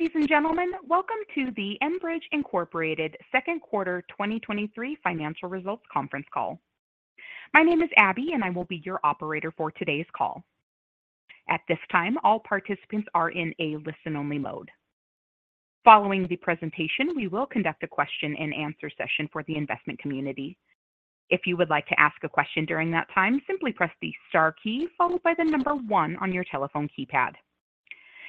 Ladies and gentlemen, welcome to the Enbridge Incorporated Q2 2023 Financial Results Conference Call. My name is Abby, and I will be your operator for today's call. At this time, all participants are in a listen-only mode. Following the presentation, we will conduct a question-and-answer session for the investment community. If you would like to ask a question during that time, simply press the star key followed by the one on your telephone keypad.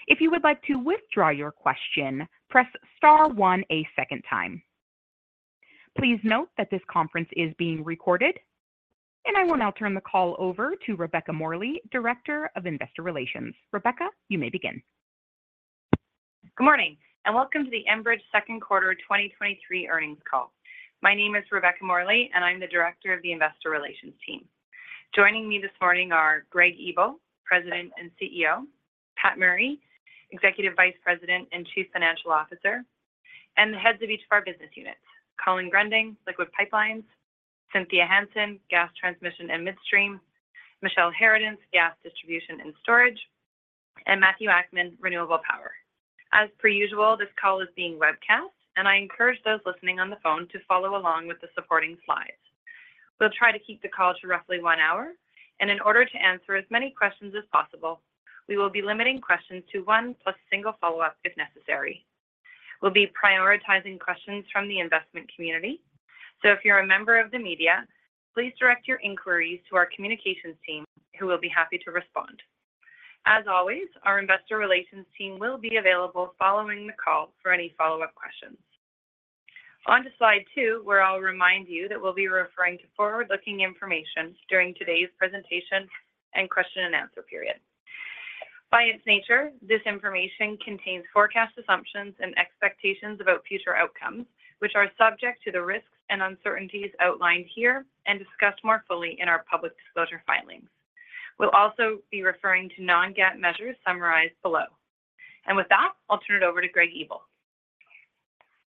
If you would like to withdraw your question, press star one a second time. Please note that this conference is being recorded. I will now turn the call over to Rebecca Morley, Director of Investor Relations. Rebecca, you may begin. Good morning, welcome to the Enbridge Q2 2023 earnings call. My name is Rebecca Morley, and I'm the Director of the Investor Relations team. Joining me this morning are Greg Ebel, President and CEO; Pat Murray, Executive Vice President and Chief Financial Officer; and the heads of each of our business units: Colin Gruending, Liquids Pipelines; Cynthia Hansen, Gas Transmission and Midstream; Michele Harradence, Gas Distribution and Storage; and Matthew Akman, Renewable Power. As per usual, this call is being webcast, and I encourage those listening on the phone to follow along with the supporting slides. We'll try to keep the call to roughly one hour, and in order to answer as many questions as possible, we will be limiting questions to one plus single follow-up if necessary. We'll be prioritizing questions from the investment community, so if you're a member of the media, please direct your inquiries to our communications team, who will be happy to respond. As always, our investor relations team will be available following the call for any follow-up questions. On to slide two, where I'll remind you that we'll be referring to forward-looking information during today's presentation and question-and-answer period. By its nature, this information contains forecast assumptions and expectations about future outcomes, which are subject to the risks and uncertainties outlined here and discussed more fully in our public disclosure filings. We'll also be referring to non-GAAP measures summarized below. With that, I'll turn it over to Greg Ebel.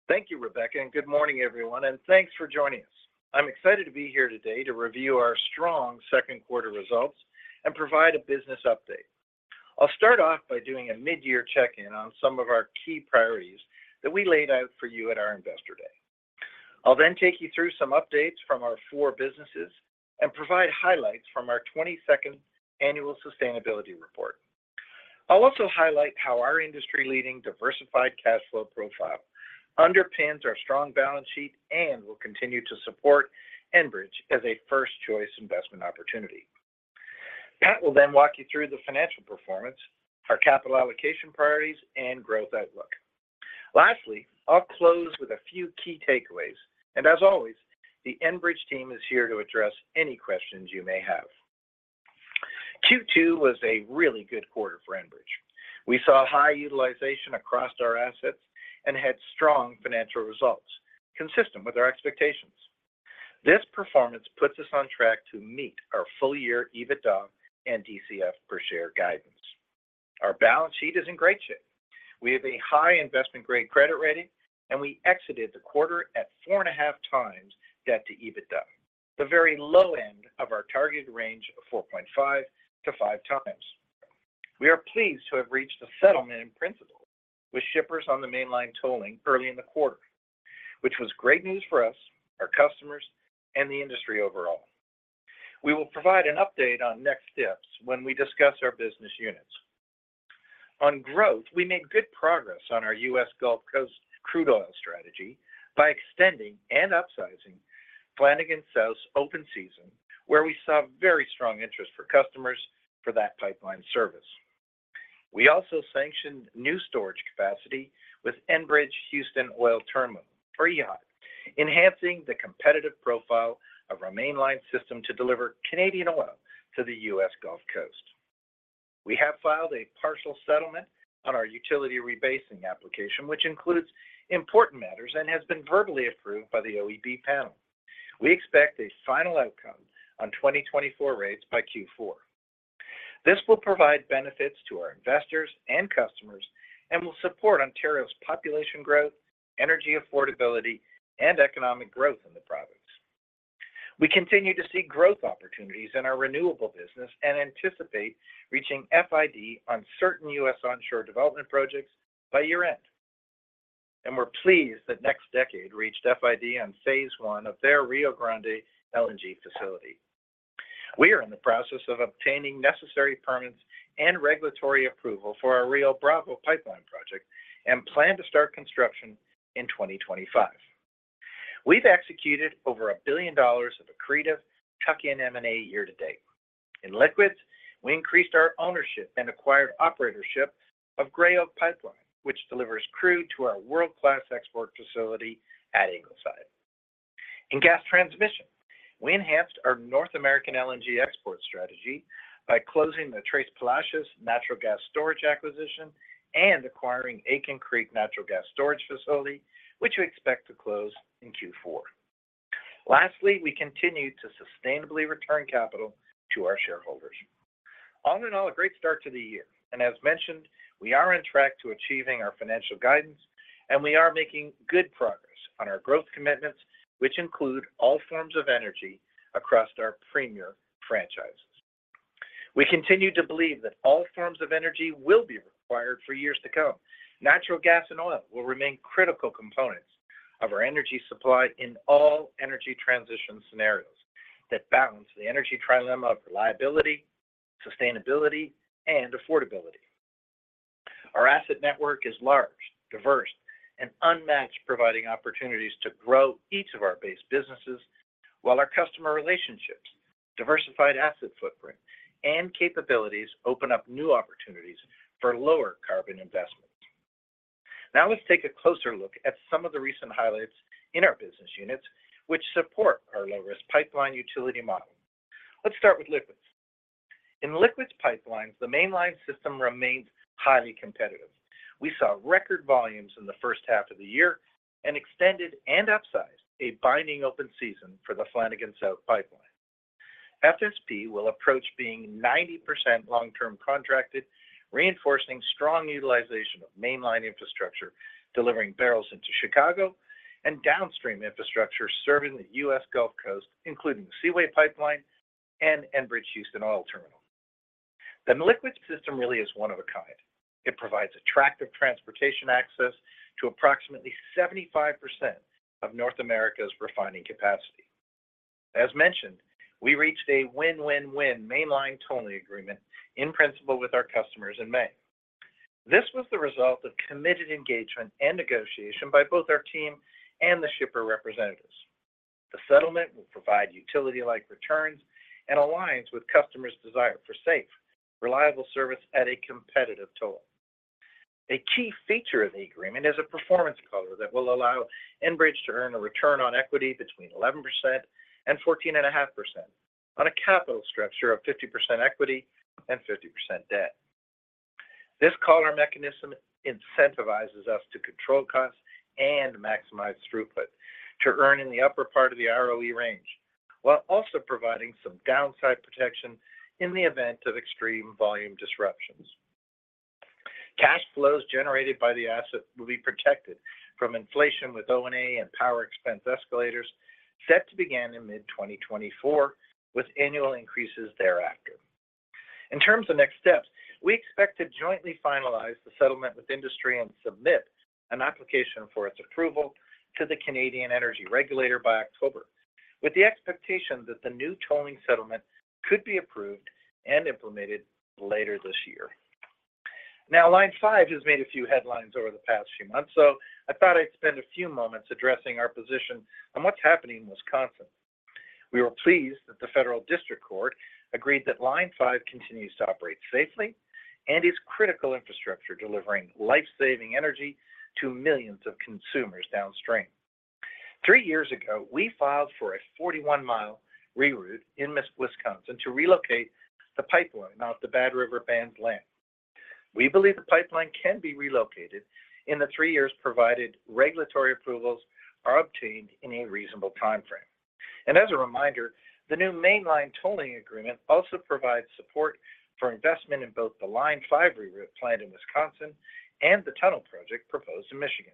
Thank you, Rebecca, good morning, everyone, and thanks for joining us. I'm excited to be here today to review our strong Q2 results and provide a business update. I'll start off by doing a midyear check-in on some of our key priorities that we laid out for you at our Investor Day. I'll then take you through some updates from our four businesses and provide highlights from our 22nd annual sustainability report. I'll also highlight how our industry-leading, diversified cash flow profile underpins our strong balance sheet and will continue to support Enbridge as a first-choice investment opportunity. Pat will then walk you through the financial performance, our capital allocation priorities, and growth outlook. Lastly, I'll close with a few key takeaways, and as always, the Enbridge team is here to address any questions you may have. Q2 was a really good quarter for Enbridge. We saw high utilization across our assets and had strong financial results consistent with our expectations. This performance puts us on track to meet our full-year EBITDA and DCF per share guidance. Our balance sheet is in great shape. We have a high investment-grade credit rating, and we exited the quarter at 4.5 times debt to EBITDA, the very low end of our targeted range of 4.5-5 times. We are pleased to have reached a settlement in principle with shippers on the Mainline tolling early in the quarter, which was great news for us, our customers, and the industry overall. We will provide an update on next steps when we discuss our business units. On growth, we made good progress on our U.S. Gulf Coast crude oil strategy by extending and upsizing Flanagan South open season, where we saw very strong interest for customers for that pipeline service. We also sanctioned new storage capacity with Enbridge Houston Oil Terminal, or EHOT, enhancing the competitive profile of our Mainline system to deliver Canadian oil to the U.S. Gulf Coast. We have filed a partial settlement on our utility rebasing application, which includes important matters and has been verbally approved by the OEB panel. We expect a final outcome on 2024 rates by Q4. This will provide benefits to our investors and customers and will support Ontario's population growth, energy affordability, and economic growth in the province. We continue to see growth opportunities in our renewable business and anticipate reaching FID on certain U.S. onshore development projects by year-end. We're pleased that NextDecade reached FID on phase one of their Rio Grande LNG facility. We are in the process of obtaining necessary permits and regulatory approval for our Rio Bravo pipeline project and plan to start construction in 2025. We've executed over $1 billion of accretive tuck-in M&A year to date. In liquids, we increased our ownership and acquired operatorship of Gray Oak Pipeline, which delivers crude to our world-class export facility at Ingleside. In gas transmission, we enhanced our North American LNG export strategy by closing the Tres Palacios Natural Gas Storage acquisition and acquiring Aitken Creek Natural Gas Storage facility, which we expect to close in Q4. Lastly, we continue to sustainably return capital to our shareholders. All in all, a great start to the year, as mentioned, we are on track to achieving our financial guidance, and we are making good progress on our growth commitments, which include all forms of energy across our premier franchise. We continue to believe that all forms of energy will be required for years to come. Natural gas and oil will remain critical components of our energy supply in all energy transition scenarios that balance the energy trilemma of reliability, sustainability, and affordability. Our asset network is large, diverse, and unmatched, providing opportunities to grow each of our base businesses, while our customer relationships, diversified asset footprint, and capabilities open up new opportunities for lower carbon investments. Let's take a closer look at some of the recent highlights in our business units, which support our low-risk pipeline utility model. Let's start with liquids. In Liquids Pipelines, the Mainline system remains highly competitive. We saw record volumes in the H1 of the year and extended and upsized a binding open season for the Flanagan South Pipeline. FSP will approach being 90% long-term contracted, reinforcing strong utilization of Mainline infrastructure, delivering barrels into Chicago and downstream infrastructure serving the U.S. Gulf Coast, including the Seaway Pipeline and Enbridge Houston Oil Terminal. The liquids system really is one of a kind. It provides attractive transportation access to approximately 75% of North America's refining capacity. As mentioned, we reached a win-win-win Mainline tolling agreement in principle with our customers in May. This was the result of committed engagement and negotiation by both our team and the shipper representatives. The settlement will provide utility-like returns and aligns with customers' desire for safe, reliable service at a competitive toll. A key feature of the agreement is a performance collar that will allow Enbridge to earn a return on equity between 11% and 14.5% on a capital structure of 50% equity and 50% debt. This collar mechanism incentivizes us to control costs and maximize throughput to earn in the upper part of the ROE range, while also providing some downside protection in the event of extreme volume disruptions. Cash flows generated by the asset will be protected from inflation, with O&A and power expense escalators set to begin in mid-2024, with annual increases thereafter. In terms of next steps, we expect to jointly finalize the settlement with industry and submit an application for its approval to the Canada Energy Regulator by October, with the expectation that the new tolling settlement could be approved and implemented later this year. Line 5 has made a few headlines over the past few months, so I thought I'd spend a few moments addressing our position on what's happening in Wisconsin. We were pleased that the Federal District Court agreed that Line 5 continues to operate safely and is critical infrastructure, delivering life-saving energy to millions of consumers downstream. 3 years ago, we filed for a 41-mile reroute in Wisconsin to relocate the pipeline off the Bad River Band's land. We believe the pipeline can be relocated in the 3 years, provided regulatory approvals are obtained in a reasonable timeframe. As a reminder, the new Mainline tolling agreement also provides support for investment in both the Line 5 reroute planned in Wisconsin and the tunnel project proposed in Michigan.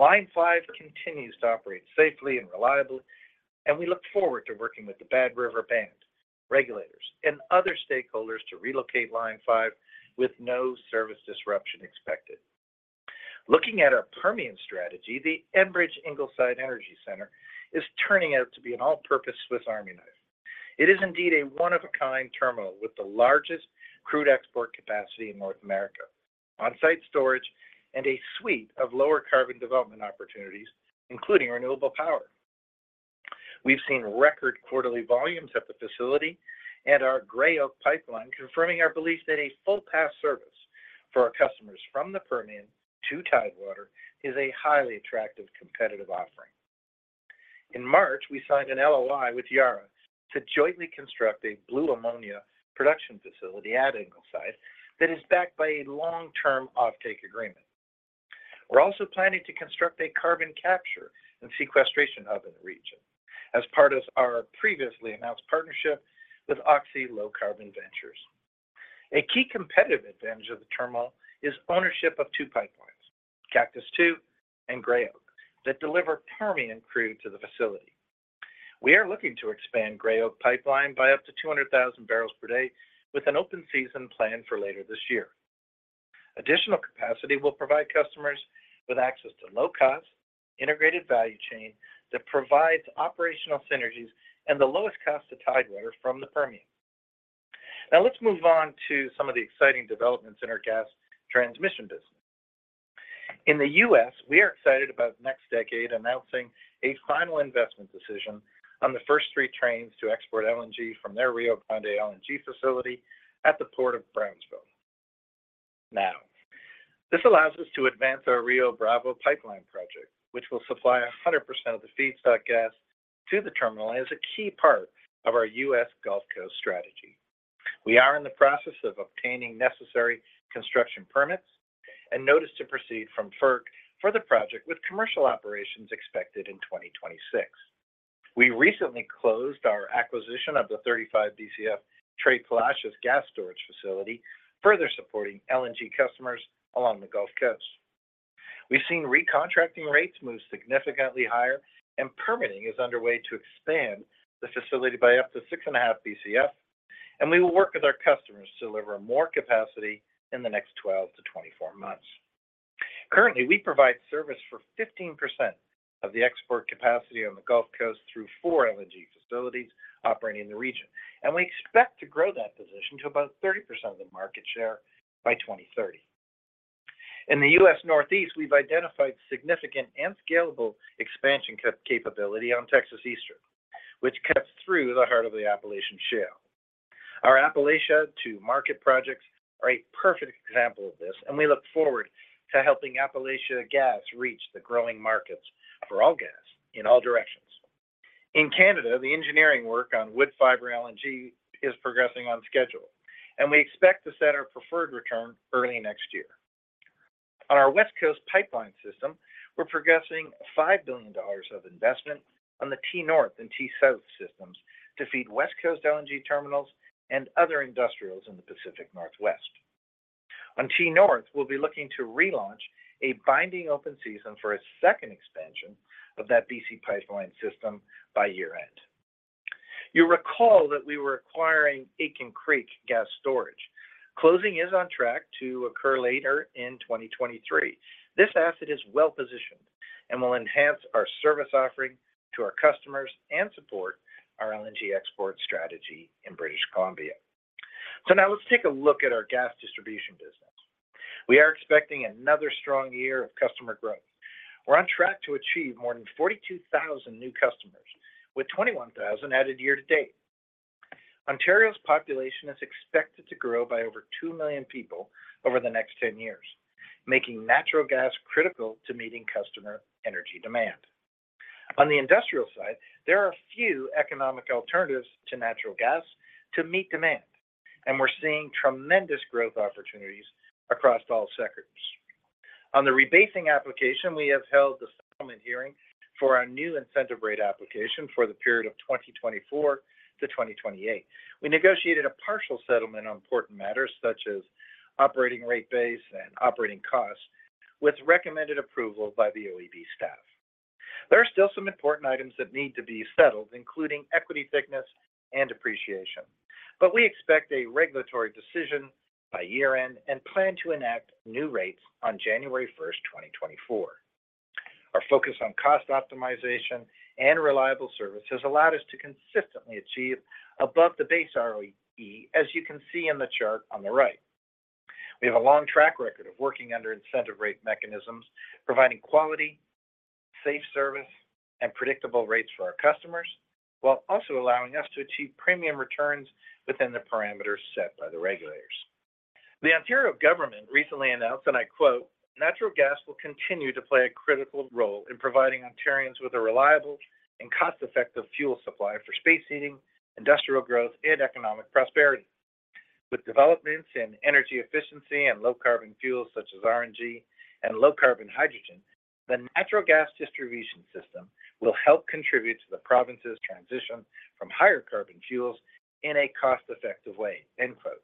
Line 5 continues to operate safely and reliably. We look forward to working with the Bad River Band, regulators, and other stakeholders to relocate Line 5 with no service disruption expected. Looking at our Permian strategy, the Enbridge Ingleside Energy Center is turning out to be an all-purpose Swiss Army knife. It is indeed a one-of-a-kind terminal with the largest crude export capacity in North America, on-site storage, and a suite of lower carbon development opportunities, including renewable power. We've seen record quarterly volumes at the facility and our Gray Oak Pipeline, confirming our belief that a full-path service for our customers from the Permian to Tidewater is a highly attractive competitive offering. In March, we signed an LOI with Yara to jointly construct a blue ammonia production facility at Ingleside that is backed by a long-term offtake agreement. We're also planning to construct a carbon capture and sequestration hub in the region as part of our previously announced partnership with Oxy Low Carbon Ventures. A key competitive advantage of the terminal is ownership of two pipelines, Cactus II and Gray Oak, that deliver Permian crude to the facility. We are looking to expand Gray Oak Pipeline by up to 200,000 barrels per day with an open season planned for later this year. Additional capacity will provide customers with access to low-cost, integrated value chain that provides operational synergies and the lowest cost to Tidewater from the Permian. Let's move on to some of the exciting developments in our gas transmission business. In the U.S., we are excited about NextDecade announcing a final investment decision on the first three trains to export LNG from their Rio Grande LNG facility at the Port of Brownsville. This allows us to advance our Rio Bravo Pipeline project, which will supply 100% of the feedstock gas to the terminal and is a key part of our U.S Gulf Coast strategy. We are in the process of obtaining necessary construction permits and notice to proceed from FERC for the project, with commercial operations expected in 2026. We recently closed our acquisition of the 35 BCF Tres Palacios Gas Storage Facility, further supporting LNG customers along the Gulf Coast. We've seen recontracting rates move significantly higher, and permitting is underway to expand the facility by up to 6.5 BCF, and we will work with our customers to deliver more capacity in the next 12 to 24 months. Currently, we provide service for 15% of the export capacity on the Gulf Coast through four LNG facilities operating in the region, and we expect to grow that position to about 30% of the market share by 2030. In the U.S. Northeast, we've identified significant and scalable expansion capability on Texas Eastern, which cuts through the heart of the Appalachian Shale. Our Appalachia to Market projects are a perfect example of this, and we look forward to helping Appalachia Gas reach the growing markets for all gas in all directions. In Canada, the engineering work on Woodfibre LNG is progressing on schedule, and we expect to set our preferred return early next year. On our West Coast pipeline system, we're progressing $5 billion of investment on the T-North and T-South systems to feed West Coast LNG terminals and other industrials in the Pacific Northwest. On T-North, we'll be looking to relaunch a binding open season for a second expansion of that BC Pipeline system by year-end. You recall that we were acquiring Aitken Creek Gas Storage. Closing is on track to occur later in 2023. This asset is well-positioned and will enhance our service offering to our customers and support our LNG export strategy in British Columbia. Now let's take a look at our gas distribution business. We are expecting another strong year of customer growth. We're on track to achieve more than 42,000 new customers, with 21,000 added year to date. Ontario's population is expected to grow by over 2 million people over the next 10 years, making natural gas critical to meeting customer energy demand. On the industrial side, there are a few economic alternatives to natural gas to meet demand. We're seeing tremendous growth opportunities across all sectors. On the rebasing application, we have held the settlement hearing for our new incentive rate application for the period of 2024 to 2028. We negotiated a partial settlement on important matters such as operating rate base and operating costs, with recommended approval by the OEB staff. There are still some important items that need to be settled, including equity thickness and depreciation, but we expect a regulatory decision by year-end and plan to enact new rates on January 1st, 2024. Our focus on cost optimization and reliable service has allowed us to consistently achieve above the base ROE, as you can see in the chart on the right. We have a long track record of working under incentive rate mechanisms, providing quality, safe service and predictable rates for our customers, while also allowing us to achieve premium returns within the parameters set by the regulators. The Ontario government recently announced, and I quote, "Natural gas will continue to play a critical role in providing Ontarians with a reliable and cost-effective fuel supply for space heating, industrial growth, and economic prosperity. With developments in energy efficiency and low-carbon fuels such as RNG and low-carbon hydrogen, the natural gas distribution system will help contribute to the province's transition from higher carbon fuels in a cost-effective way." End quote.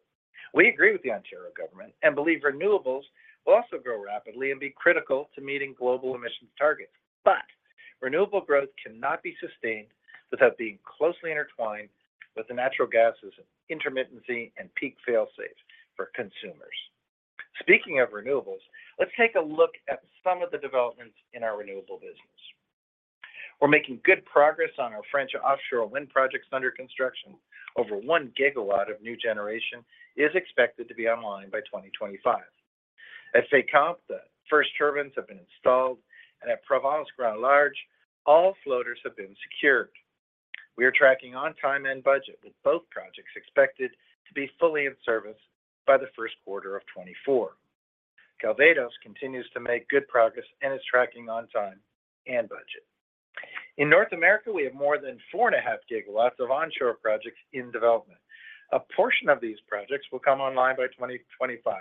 We agree with the Ontario government and believe renewables will also grow rapidly and be critical to meeting global emissions targets. Renewable growth cannot be sustained without being closely intertwined with the natural gas's intermittency and peak fail-safe for consumers. Speaking of renewables, let's take a look at some of the developments in our renewable business. We're making good progress on our French offshore wind projects under construction. Over 1 GW of new generation is expected to be online by 2025. At Fécamp, the first turbines have been installed, and at Provence Grand Large, all floaters have been secured. We are tracking on time and budget, with both projects expected to be fully in service by the Q1 of 2024. Calvados continues to make good progress and is tracking on time and budget. In North America, we have more than 4.5 GW of onshore projects in development. A portion of these projects will come online by 2025,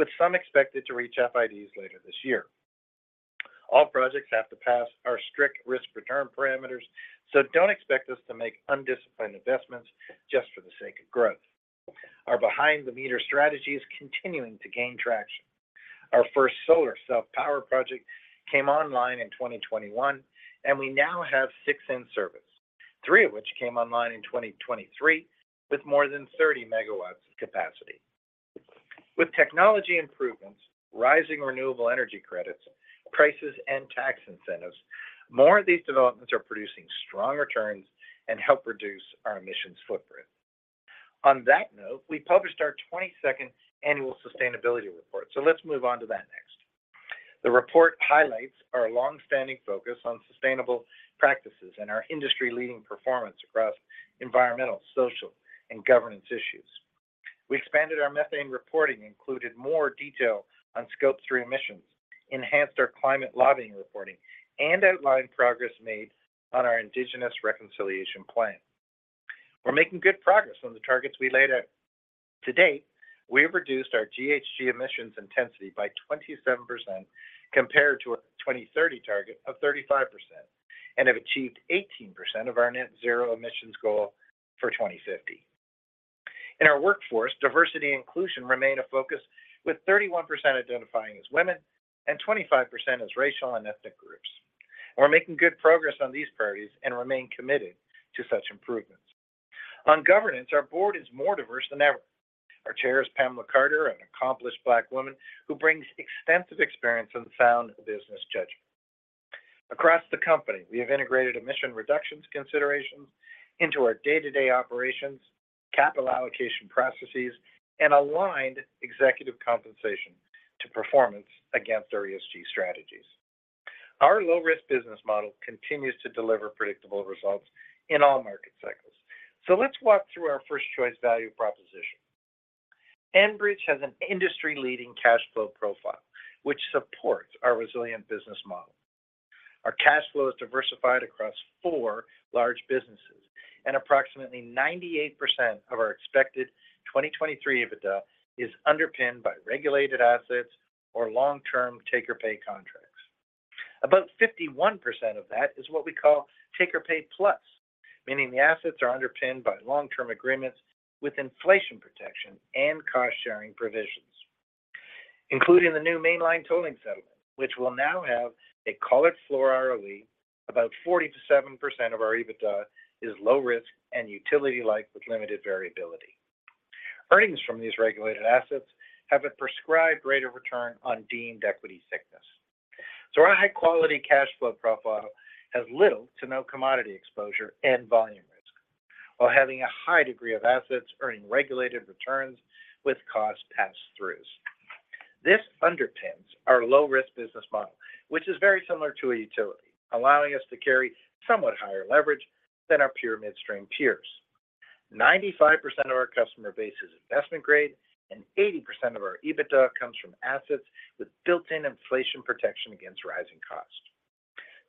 with some expected to reach FIDs later this year. All projects have to pass our strict risk-return parameters, so don't expect us to make undisciplined investments just for the sake of growth. Our behind-the-meter strategy is continuing to gain traction. Our first solar self-power project came online in 2021, and we now have six in service, three of which came online in 2023, with more than 30 MW of capacity. With technology improvements, rising renewable energy credits, prices, and tax incentives, more of these developments are producing strong returns and help reduce our emissions footprint. On that note, we published our 22nd annual sustainability report. Let's move on to that next. The report highlights our longstanding focus on sustainable practices and our industry-leading performance across environmental, social, and governance issues. We expanded our methane reporting, included more detail on scope three emissions, enhanced our climate lobbying reporting, and outlined progress made on our Indigenous Reconciliation Plan. We're making good progress on the targets we laid out. To date, we've reduced our GHG emissions intensity by 27% compared to a 2030 target of 35% and have achieved 18% of our net zero emissions goal for 2050. In our workforce, diversity and inclusion remain a focus, with 31% identifying as women and 25% as racial and ethnic groups. We're making good progress on these priorities and remain committed to such improvements. On governance, our board is more diverse than ever. Our chair is Pamela Carter, an accomplished Black woman who brings extensive experience and sound business judgment. Across the company, we have integrated emission reductions considerations into our day-to-day operations, capital allocation processes, and aligned executive compensation to performance against our ESG strategies. Our low-risk business model continues to deliver predictable results in all market cycles. Let's walk through our first choice value proposition. Enbridge has an industry-leading cash flow profile, which supports our resilient business model. Our cash flow is diversified across four large businesses, and approximately 98% of our expected 2023 EBITDA is underpinned by regulated assets or long-term take-or-pay contracts. About 51% of that is what we call take or paid plus, meaning the assets are underpinned by long-term agreements with inflation protection and cost-sharing provisions, including the new Mainline tolling settlement, which will now have a collared floor early. About 47% of our EBITDA is low risk and utility-like, with limited variability. Earnings from these regulated assets have a prescribed rate of return on deemed equity thickness. Our high-quality cash flow profile has little to no commodity exposure and volume risk, while having a high degree of assets earning regulated returns with cost pass-throughs. This underpins our low-risk business model, which is very similar to a utility, allowing us to carry somewhat higher leverage than our pure midstream peers. 95% of our customer base is investment-grade, and 80% of our EBITDA comes from assets with built-in inflation protection against rising costs.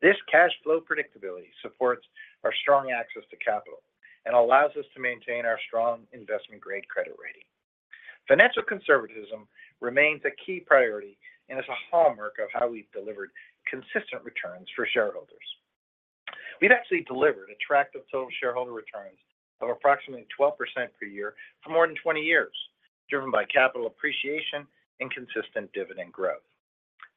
This cash flow predictability supports our strong access to capital and allows us to maintain our strong investment-grade credit rating. Financial conservatism remains a key priority and is a hallmark of how we've delivered consistent returns for shareholders. We've actually delivered attractive total shareholder returns of approximately 12% per year for more than 20 years, driven by capital appreciation and consistent dividend growth.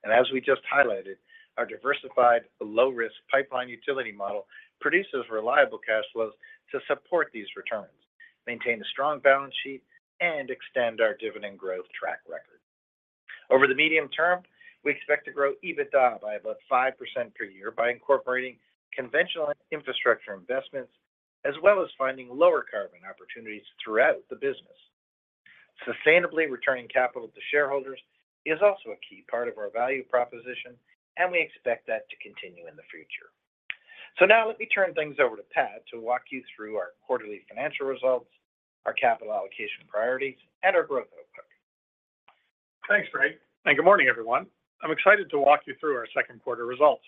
As we just highlighted, our diversified low-risk pipeline utility model produces reliable cash flows to support these returns, maintain a strong balance sheet, and extend our dividend growth track record. Over the medium term, we expect to grow EBITDA by about 5% per year by incorporating conventional infrastructure investments, as well as finding lower carbon opportunities throughout the business. Sustainably returning capital to shareholders is also a key part of our value proposition, and we expect that to continue in the future. Now let me turn things over to Pat to walk you through our quarterly financial results, our capital allocation priorities, and our growth outlook. Thanks, Greg. Good morning, everyone. I'm excited to walk you through our Q2 results.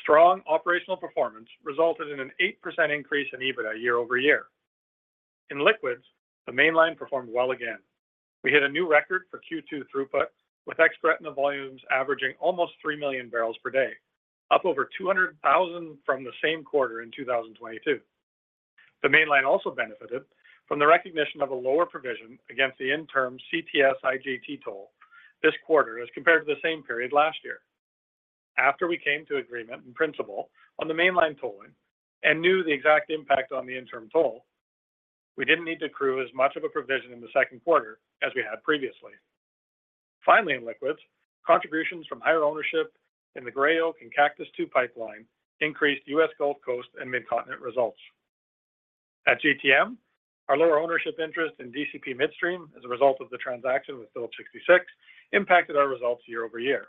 Strong operational performance resulted in an 8% increase in EBITDA year-over-year. In liquids, the Mainline performed well again. We hit a new record for Q2 throughput, with ex-Gretna volumes averaging almost 3 million barrels per day, up over 200,000 from the same quarter in 2022. The Mainline also benefited from the recognition of a lower provision against the interim CTS/IJT toll this quarter as compared to the same period last year. After we came to agreement in principle on the Mainline tolling and knew the exact impact on the interim toll, we didn't need to accrue as much of a provision in the Q2 as we had previously. Finally, in liquids, contributions from higher ownership in the Gray Oak and Cactus II pipeline increased U.S. Gulf Coast and Midcontinent results. At GTM, our lower ownership interest in DCP Midstream, as a result of the transaction with Phillips 66, impacted our results year-over-year.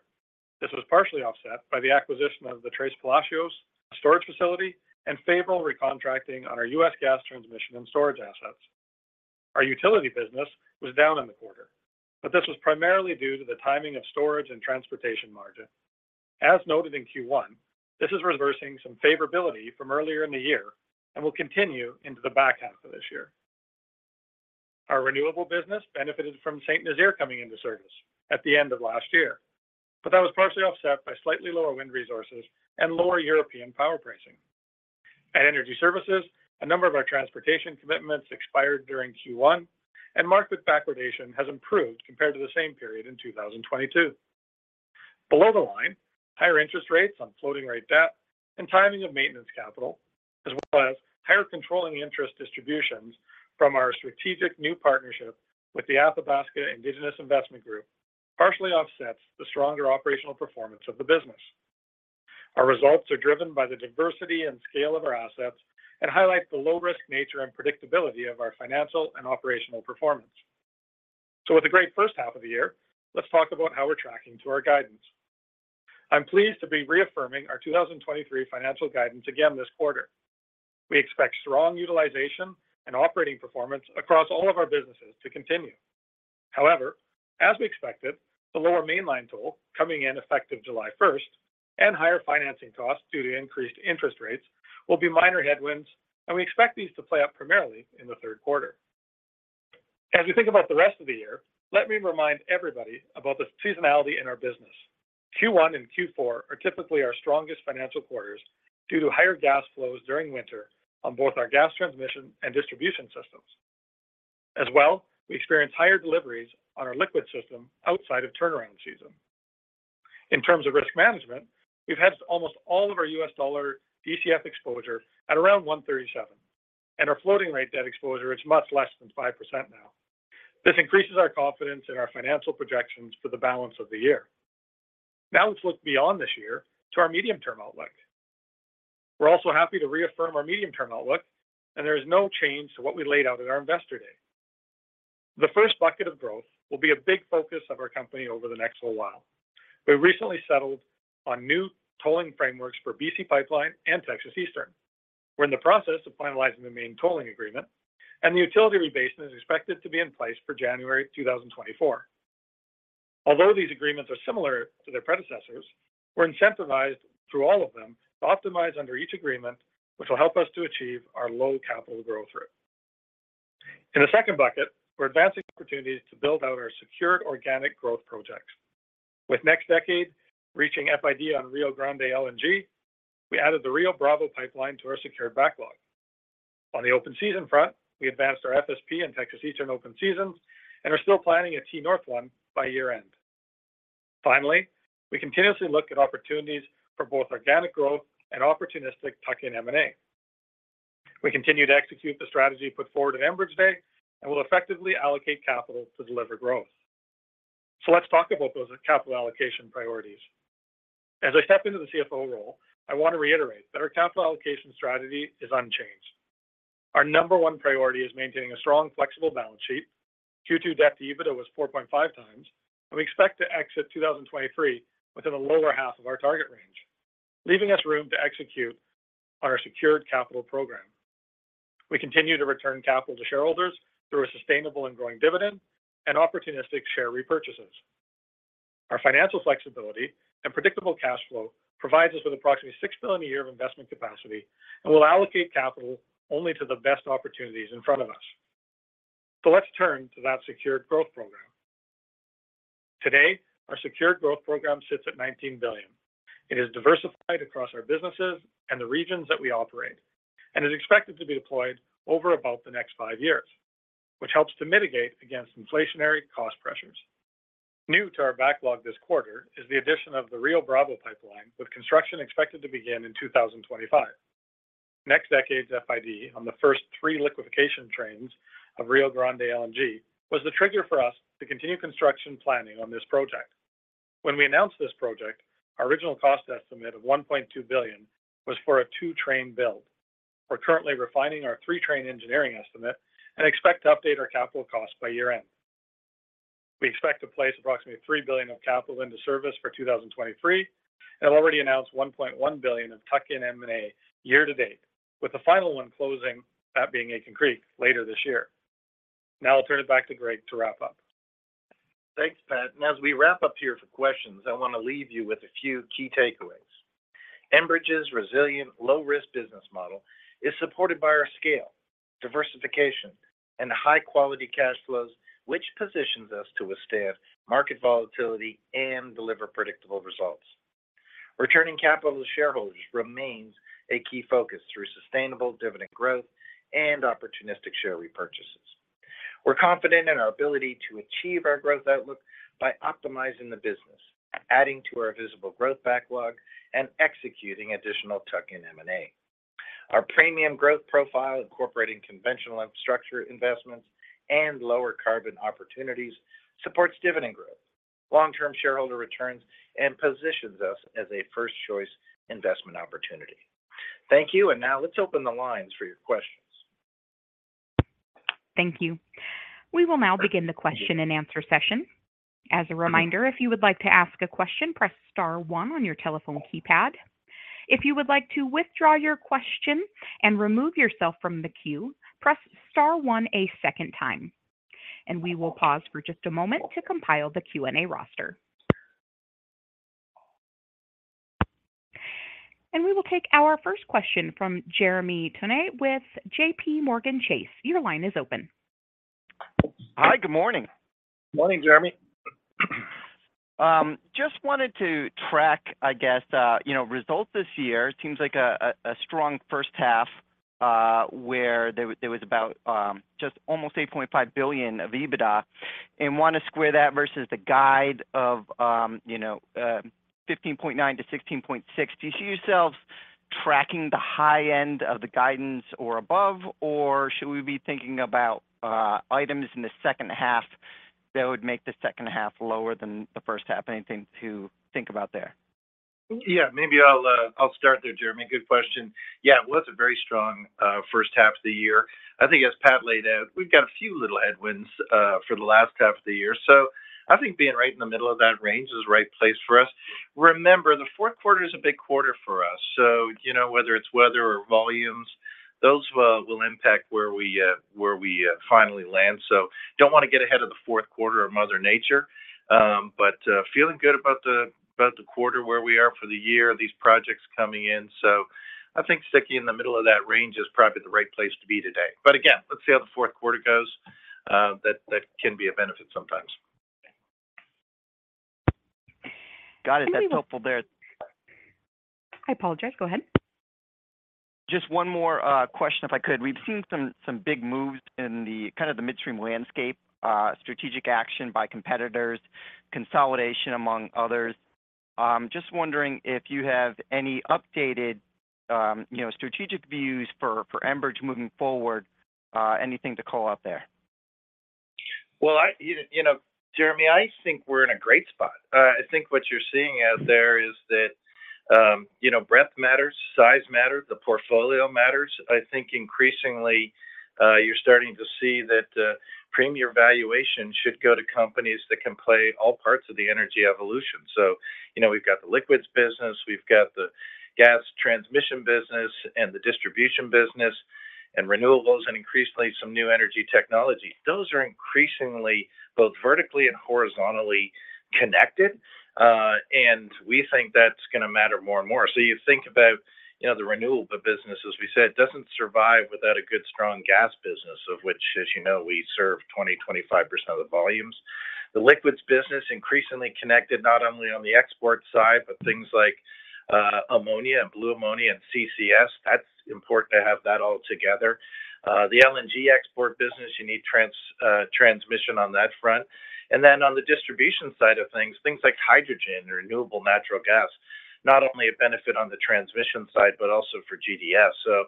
This was partially offset by the acquisition of the Tres Palacios storage facility and favorable recontracting on our U.S. gas transmission and storage assets. Our utility business was down in the quarter. This was primarily due to the timing of storage and transportation margin. As noted in Q1, this is reversing some favorability from earlier in the year and will continue into the back half of this year. Our renewable business benefited from St. Nazaire coming into service at the end of last year. That was partially offset by slightly lower wind resources and lower European power pricing. At Energy Services, a number of our transportation commitments expired during Q1, market backwardation has improved compared to the same period in 2022. Below the line, higher interest rates on floating-rate debt and timing of maintenance capital, as well as higher controlling interest distributions from our strategic new partnership with the Athabasca Indigenous Investment Group, partially offsets the stronger operational performance of the business. Our results are driven by the diversity and scale of our assets and highlight the low-risk nature and predictability of our financial and operational performance. With a great H1 of the year, let's talk about how we're tracking to our guidance. I'm pleased to be reaffirming our 2023 financial guidance again this quarter. We expect strong utilization and operating performance across all of our businesses to continue. However, as we expected, the lower Mainline toll coming in effective July first and higher financing costs due to increased interest rates will be minor headwinds, and we expect these to play out primarily in the Q3. As we think about the rest of the year, let me remind everybody about the seasonality in our business. Q1 and Q4 are typically our strongest financial quarters due to higher gas flows during winter on both our gas transmission and distribution systems. As well, we experience higher deliveries on our liquid system outside of turnaround season. In terms of risk management, we've had almost all of our U.S. dollar DCF exposure at around 137, and our floating rate debt exposure is much less than 5% now. This increases our confidence in our financial projections for the balance of the year. Now, let's look beyond this year to our medium-term outlook. We're also happy to reaffirm our medium-term outlook, and there is no change to what we laid out at our Investor Day. The first bucket of growth will be a big focus of our company over the next little while. We recently settled on new tolling frameworks for BC Pipeline and Texas Eastern. We're in the process of finalizing the Mainline tolling agreement, and the utility rebasing is expected to be in place for January 2024. Although these agreements are similar to their predecessors, we're incentivized through all of them to optimize under each agreement, which will help us to achieve our low capital growth rate. In the second bucket, we're advancing opportunities to build out our secured organic growth projects. With NextDecade reaching FID on Rio Grande LNG, we added the Rio Bravo pipeline to our secured backlog. On the open season front, we advanced our FSP and Texas Eastern open seasons and are still planning a T-North one by year-end. Finally, we continuously look at opportunities for both organic growth and opportunistic tuck-in M&A. We continue to execute the strategy put forward at Enbridge Day, and we'll effectively allocate capital to deliver growth. Let's talk about those capital allocation priorities. As I step into the CFO role, I want to reiterate that our capital allocation strategy is unchanged. Q2 debt to EBITDA was 4.5 times, and we expect to exit 2023 within the lower half of our target range, leaving us room to execute on our secured capital program. We continue to return capital to shareholders through a sustainable and growing dividend and opportunistic share repurchases. Our financial flexibility and predictable cash flow provides us with approximately $6 billion a year of investment capacity and will allocate capital only to the best opportunities in front of us. Let's turn to that secured growth program. Today, our secured growth program sits at $19 billion. It is diversified across our businesses and the regions that we operate and is expected to be deployed over about the next five years, which helps to mitigate against inflationary cost pressures. New to our backlog this quarter is the addition of the Rio Bravo Pipeline, with construction expected to begin in 2025. NextDecade's FID on the first three liquification trains of Rio Grande LNG was the trigger for us to continue construction planning on this project. When we announced this project, our original cost estimate of $1.2 billion was for a two-train build. We're currently refining our three-train engineering estimate and expect to update our capital costs by year-end. We expect to place approximately $3 billion of capital into service for 2023 and have already announced $1.1 billion of tuck-in M&A year to date, with the final one closing, that being Aitken Creek, later this year. I'll turn it back to Greg to wrap up. Thanks, Pat. As we wrap up here for questions, I want to leave you with a few key takeaways. Enbridge's resilient, low-risk business model is supported by our scale, diversification, and high-quality cash flows, which positions us to withstand market volatility and deliver predictable results. Returning capital to shareholders remains a key focus through sustainable dividend growth and opportunistic share repurchases. We're confident in our ability to achieve our growth outlook by optimizing the business, adding to our visible growth backlog, and executing additional tuck-in M&A. Our premium growth profile, incorporating conventional infrastructure investments and lower carbon opportunities, supports dividend growth, long-term shareholder returns, and positions us as a first-choice investment opportunity. Thank you. Now let's open the lines for your questions. Thank you. We will now begin the question-and-answer session. As a reminder, if you would like to ask a question, press star one on your telephone keypad. If you would like to withdraw your question and remove yourself from the queue, press star one a second time. We will pause for just a moment to compile the Q&A roster. We will take our first question from Jeremy Tonet with JPMorgan Chase. Your line is open. Hi, good morning. Morning, Jeremy. Just wanted to track, I guess, you know, results this year. It seems like a strong H1, where there was about just almost $8.5 billion of EBITDA, and want to square that versus the guide of, you know, $15.9-$16.6. Do you see yourselves tracking the high end of the guidance or above, or should we be thinking about items in the H2 that would make the H2 lower than the H1? Anything to think about there? Yeah, maybe I'll, I'll start there, Jeremy. Good question. Yeah, it was a very strong, H1 of the year. I think as Pat laid out, we've got a few little headwinds for the last half of the year, I think being right in the middle of that range is the right place for us. Remember, the Q4 is a big quarter for us, you know, whether it's weather or volumes, those will impact where we, where we, finally land. Don't want to get ahead of the Q4 of mother nature, but feeling good about the, about the quarter, where we are for the year, these projects coming in. I think sticking in the middle of that range is probably the right place to be today. Again, let's see how the Q4 goes.... that, that can be a benefit sometimes. Got it. And we- That's helpful there. I apologize, go ahead. Just one more question if I could. We've seen some, some big moves in the kind of the midstream landscape, strategic action by competitors, consolidation, among others. Just wondering if you have any updated, you know, strategic views for Enbridge moving forward. Anything to call out there? Well, you know, Jeremy, I think we're in a great spot. I think what you're seeing out there is that, you know, breadth matters, size matters, the portfolio matters. I think increasingly, you're starting to see that premium valuation should go to companies that can play all parts of the energy evolution. You know, we've got the liquids business, we've got the gas transmission business, and the distribution business, and renewables, and increasingly some new energy technology. Those are increasingly both vertically and horizontally connected, and we think that's gonna matter more and more. You think about, you know, the renewable business, as we said, doesn't survive without a good, strong gas business, of which, as you know, we serve 20-25% of the volumes. The liquids business increasingly connected not only on the export side, but things like ammonia and blue ammonia and CCS. That's important to have that all together. The LNG export business, you need transmission on that front. Then on the distribution side of things, things like hydrogen or renewable natural gas, not only a benefit on the transmission side, but also for GDS.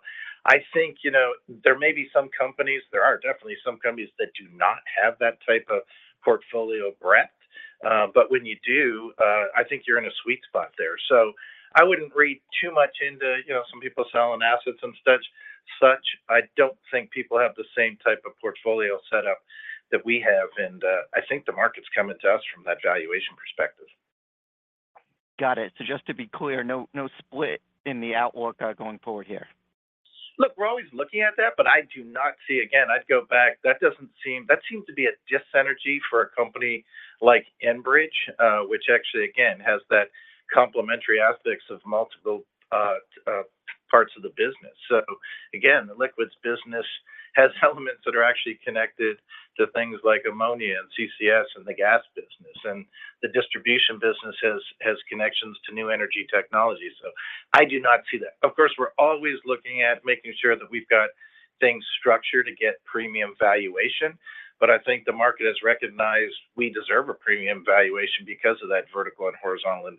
I think, you know, there may be some companies, there are definitely some companies that do not have that type of portfolio breadth. But when you do, I think you're in a sweet spot there. I wouldn't read too much into, you know, some people selling assets and such. I don't think people have the same type of portfolio setup that we have, and I think the market's coming to us from that valuation perspective. Got it. Just to be clear, no, no split in the outlook, going forward here? Look, we're always looking at that, but I do not see... Again, I'd go back. That seems to be a dissynergy for a company like Enbridge, which actually, again, has that complementary aspects of multiple parts of the business. Again, the liquids business has elements that are actually connected to things like ammonia and CCS and the gas business, and the distribution business has connections to new energy technology, so I do not see that. Of course, we're always looking at making sure that we've got things structured to get premium valuation, but I think the market has recognized we deserve a premium valuation because of that vertical and horizontal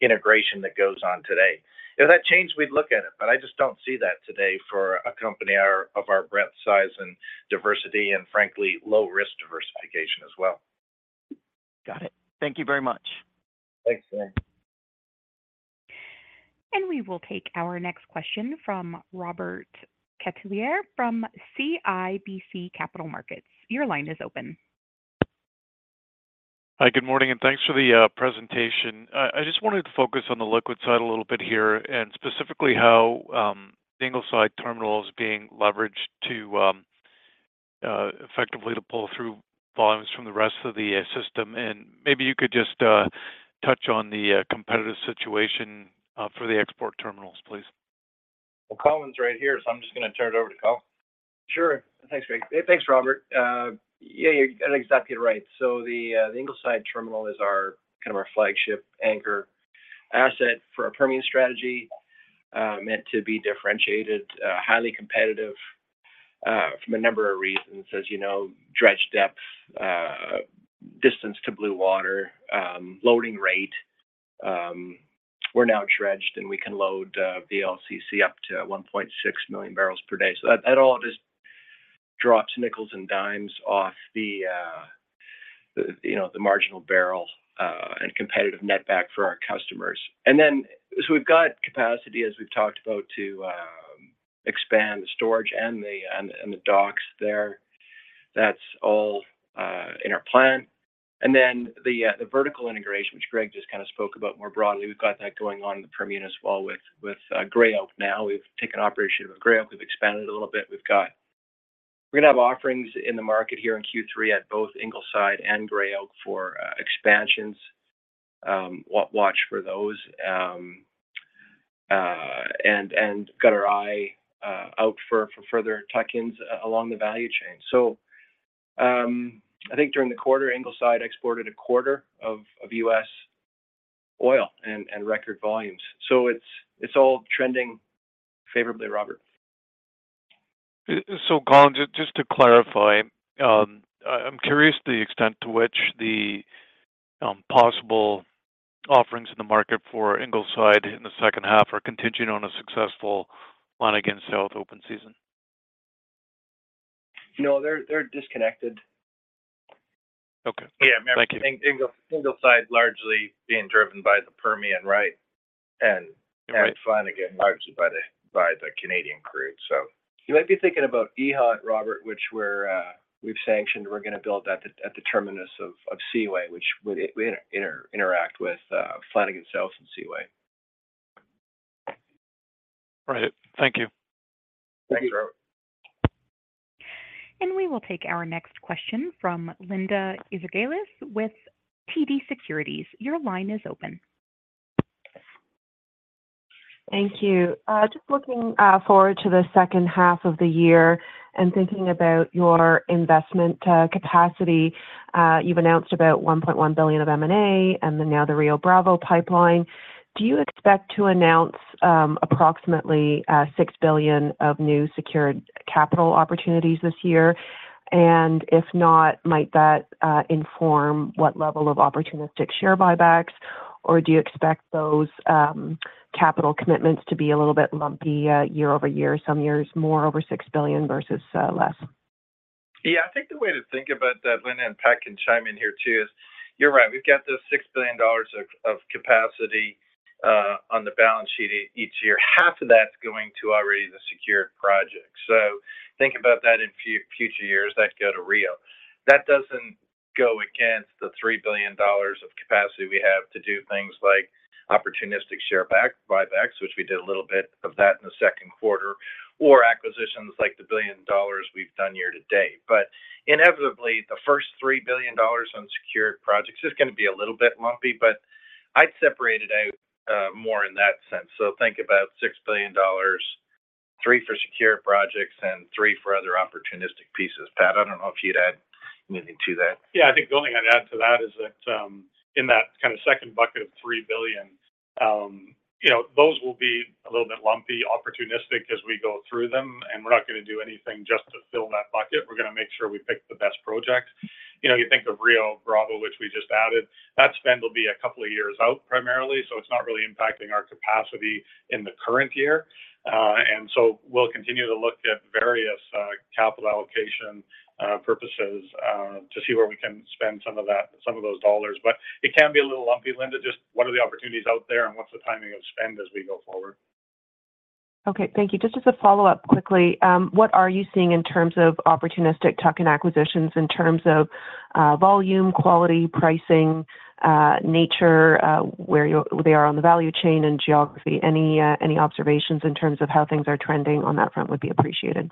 integration that goes on today. If that changed, we'd look at it, but I just don't see that today for a company our, of our breadth, size, and diversity, and frankly, low risk diversification as well. Got it. Thank you very much. Thanks, Jeremy. We will take our next question from Robert Catellier from CIBC Capital Markets. Your line is open. Hi, good morning, thanks for the presentation. I just wanted to focus on the liquids side a little bit here, specifically how the Ingleside terminal is being leveraged to effectively to pull through volumes from the rest of the system. Maybe you could just touch on the competitive situation for the export terminals, please? Colin's right here, so I'm just gonna turn it over to Colin. Sure. Thanks, Greg. Hey, thanks, Robert. Yeah, you're exactly right. The Ingleside terminal is our, kind of our flagship anchor asset for our Permian strategy, meant to be differentiated, highly competitive, from a number of reasons, as you know, dredge depth, distance to blue water, loading rate. We're now dredged, and we can load VLCC up to 1.6 million barrels per day. That, that all just drops nickels and dimes off the, you know, the marginal barrel, and competitive net back for our customers. We've got capacity, as we've talked about, to expand the storage and the, and, and the docks there. That's all in our plan. Then the vertical integration, which Greg just kind of spoke about more broadly, we've got that going on in the Permian as well with Gray Oak now. We've taken operation of Gray Oak. We've expanded a little bit. We're gonna have offerings in the market here in Q3 at both Ingleside and Gray Oak for expansions. Watch for those. Got our eye out for further tuck-ins along the value chain. I think during the quarter, Ingleside exported a quarter of U.S. oil and record volumes, so it's all trending favorably, Robert. Colin, just to clarify, I'm curious the extent to which the possible offerings in the market for Ingleside in the H2 are contingent on a successful Flanagan South open season? No, they're, they're disconnected. Okay. Yeah. Thank you. Ingleside largely being driven by the Permian, right? Flanagan largely by the Canadian group. You might be thinking about EHA, Robert, which we're sanctioned. We're gonna build that at the terminus of Seaway, which would interact with Flanagan South and Seaway. Right. Thank you. Thanks, Robert. We will take our next question from Linda Ezergailis with TD Securities. Your line is open. Thank you. Just looking forward to the H2 of the year and thinking about your investment capacity, you've announced about $1.1 billion of M&A and then now the Rio Bravo pipeline. Do you expect to announce approximately $6 billion of new secured capital opportunities this year? If not, might that inform what level of opportunistic share buybacks, or do you expect those capital commitments to be a little bit lumpy year-over-year, some years more over $6 billion versus less? I think the way to think about that, Linda, and Pat can chime in here, too, is you're right, we've got this $6 billion of capacity each year. Half of that's going to already the secured projects. Think about that in future years, that'd go to Rio. That doesn't go against the $3 billion of capacity we have to do things like opportunistic share buybacks, which we did a little bit of that in the Q2, or acquisitions, like the $1 billion we've done year to date. Inevitably, the first $3 billion on secured projects is gonna be a little bit lumpy, but I'd separate it out more in that sense. Think about $6 billion, $3 billion for secure projects and $3 billion for other opportunistic pieces. Pat, I don't know if you'd add anything to that. Yeah, I think the only thing I'd add to that is that, in that kind of second bucket of $3 billion, you know, those will be a little bit lumpy, opportunistic as we go through them, and we're not gonna do anything just to fill that bucket. We're gonna make sure we pick the best project. You know, you think of Rio Bravo, which we just added, that spend will be a couple of years out primarily, so it's not really impacting our capacity in the current year. So we'll continue to look at various, capital allocation, purposes, to see where we can spend some of that, some of those dollars. It can be a little lumpy, Linda, just what are the opportunities out there and what's the timing of spend as we go forward? Okay, thank you. Just as a follow-up quickly, what are you seeing in terms of opportunistic tuck-in acquisitions in terms of volume, quality, pricing, nature, where they are on the value chain and geography? Any, any observations in terms of how things are trending on that front would be appreciated.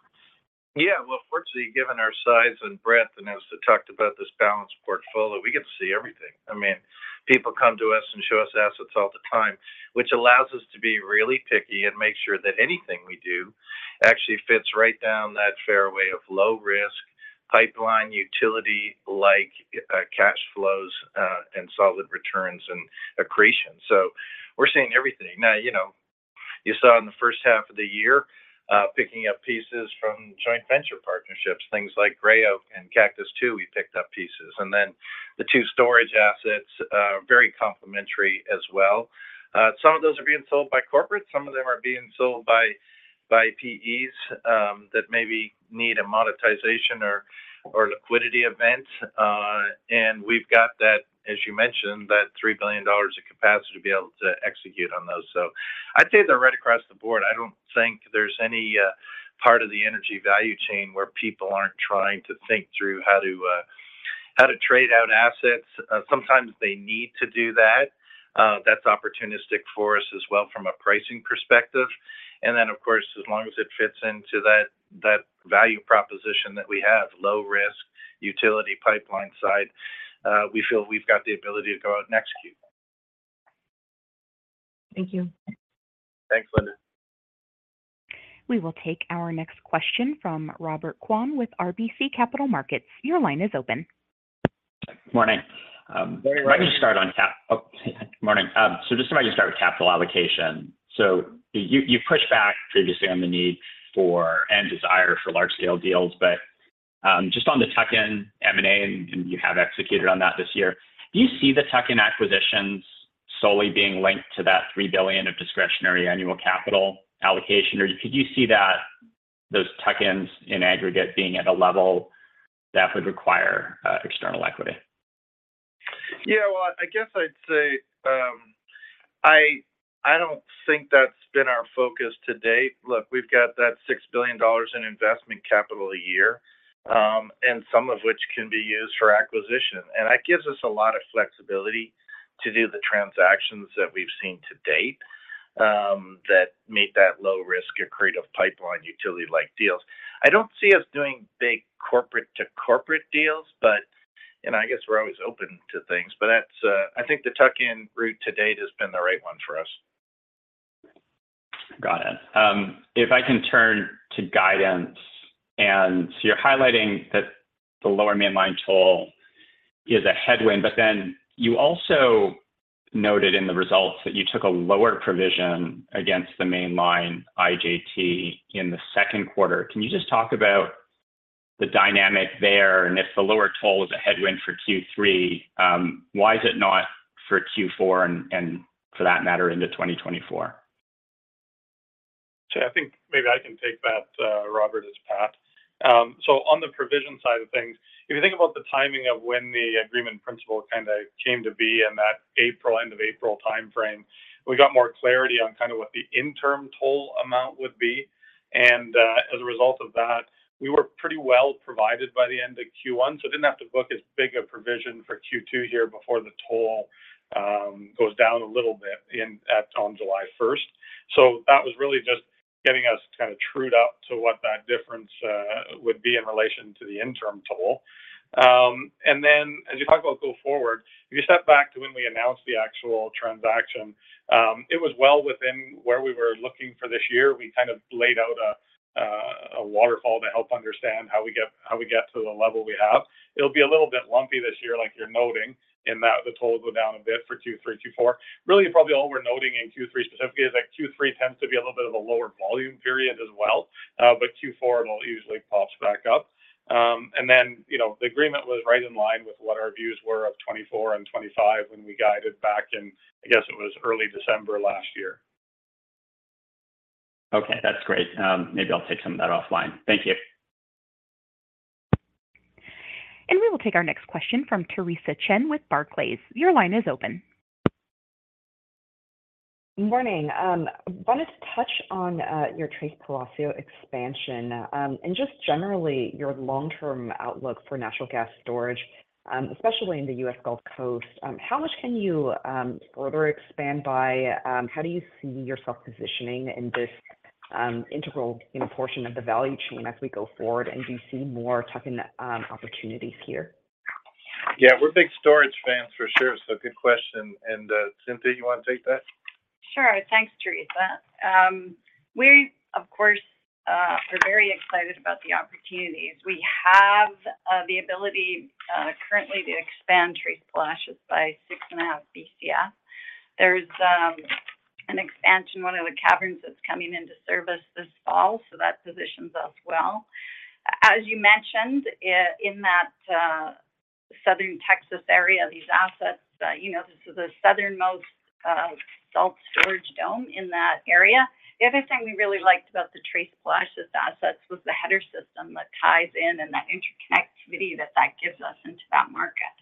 Yeah. Well, fortunately, given our size and breadth and as I talked about this balanced portfolio, we get to see everything. I mean, people come to us and show us assets all the time, which allows us to be really picky and make sure that anything we do actually fits right down that fairway of low risk, pipeline, utility-like, cash flows, and solid returns and accretion. We're seeing everything. Now, you know, you saw in the H1 of the year, picking up pieces from joint venture partnerships, things like Gray Oak and Cactus II, we picked up pieces, and then the two storage assets, very complementary as well. Some of those are being sold by corporate, some of them are being sold by, by PEs, that maybe need a monetization or, or liquidity event. We've got that, as you mentioned, that $3 billion of capacity to be able to execute on those. I'd say they're right across the board. I don't think there's any part of the energy value chain where people aren't trying to think through how to trade out assets. Sometimes they need to do that. That's opportunistic for us as well from a pricing perspective. Then, of course, as long as it fits into that, that value proposition that we have, low risk, utility pipeline side, we feel we've got the ability to go out and execute. Thank you. Thanks, Linda. We will take our next question from Robert Kwan with RBC Capital Markets. Your line is open. Morning. Very well. Let me just start on cap- Oh, morning. Just to maybe start with capital allocation. You, you've pushed back previously on the need for and desire for large-scale deals, but just on the tuck-in M&A, and, and you have executed on that this year, do you see the tuck-in acquisitions solely being linked to that $3 billion of discretionary annual capital allocation, or could you see that, those tuck-ins in aggregate being at a level that would require external equity? Yeah, well, I guess I'd say, I don't think that's been our focus to date. Look, we've got that $6 billion in investment capital a year, and some of which can be used for acquisition, and that gives us a lot of flexibility to do the transactions that we've seen to date, that meet that low-risk, accretive pipeline, utility-like deals. I don't see us doing big corporate-to-corporate deals. I guess we're always open to things, but that's, I think the tuck-in route to date has been the right one for us. Got it. If I can turn to guidance, and so you're highlighting that the lower Mainline toll is a headwind, but then you also noted in the results that you took a lower provision against the Mainline IJT in the Q2. Can you just talk about the dynamic there, and if the lower toll is a headwind for Q3, why is it not for Q4 and, and for that matter, into 2024? I think maybe I can take that, Robert. It's Pat. On the provision side of things, if you think about the timing of when the agreement principle kind of came to be in that April, end of April timeframe, we got more clarity on kind of what the interim toll amount would be, and as a result of that, we were pretty well provided by the end of Q1, so didn't have to book as big a provision for Q2 here before the toll goes down a little bit on July 1st. That was really just getting us kind of trued up to what that difference would be in relation to the interim total. As you talk about go forward, if you step back to when we announced the actual transaction, it was well within where we were looking for this year. We kind of laid out a waterfall to help understand how we get, how we get to the level we have. It'll be a little bit lumpy this year, like you're noting, in that the tolls go down a bit for Q3, Q4. Really, probably all we're noting in Q3 specifically is, like, Q3 tends to be a little bit of a lower volume period as well. Q4, it all usually pops back up. Then, you know, the agreement was right in line with what our views were of 2024 and 2025 when we guided back in, I guess, it was early December last year. Okay, that's great. Maybe I'll take some of that offline. Thank you. We will take our next question from Theresa Chen with Barclays. Your line is open. Good morning. Wanted to touch on your Tres Palacios expansion, and just generally, your long-term outlook for natural gas storage, especially in the U.S. Gulf Coast. How much can you further expand by, how do you see yourself positioning in this integral, you know, portion of the value chain as we go forward? Do you see more tuck-in opportunities here? Yeah, we're big storage fans, for sure, so good question. Cynthia, you want to take that? Sure. Thanks, Theresa. We, of course, are very excited about the opportunities. We have the ability currently to expand Tres Palacios by 6.5 BCF. There's an expansion, one of the caverns that's coming into service this fall, so that positions us well. As you mentioned, in that southern Texas area, these assets, you know, this is the southernmost salt storage dome in that area. The other thing we really liked about the Tres Palacios assets was the header system that ties in and that interconnectivity that that gives us into that market.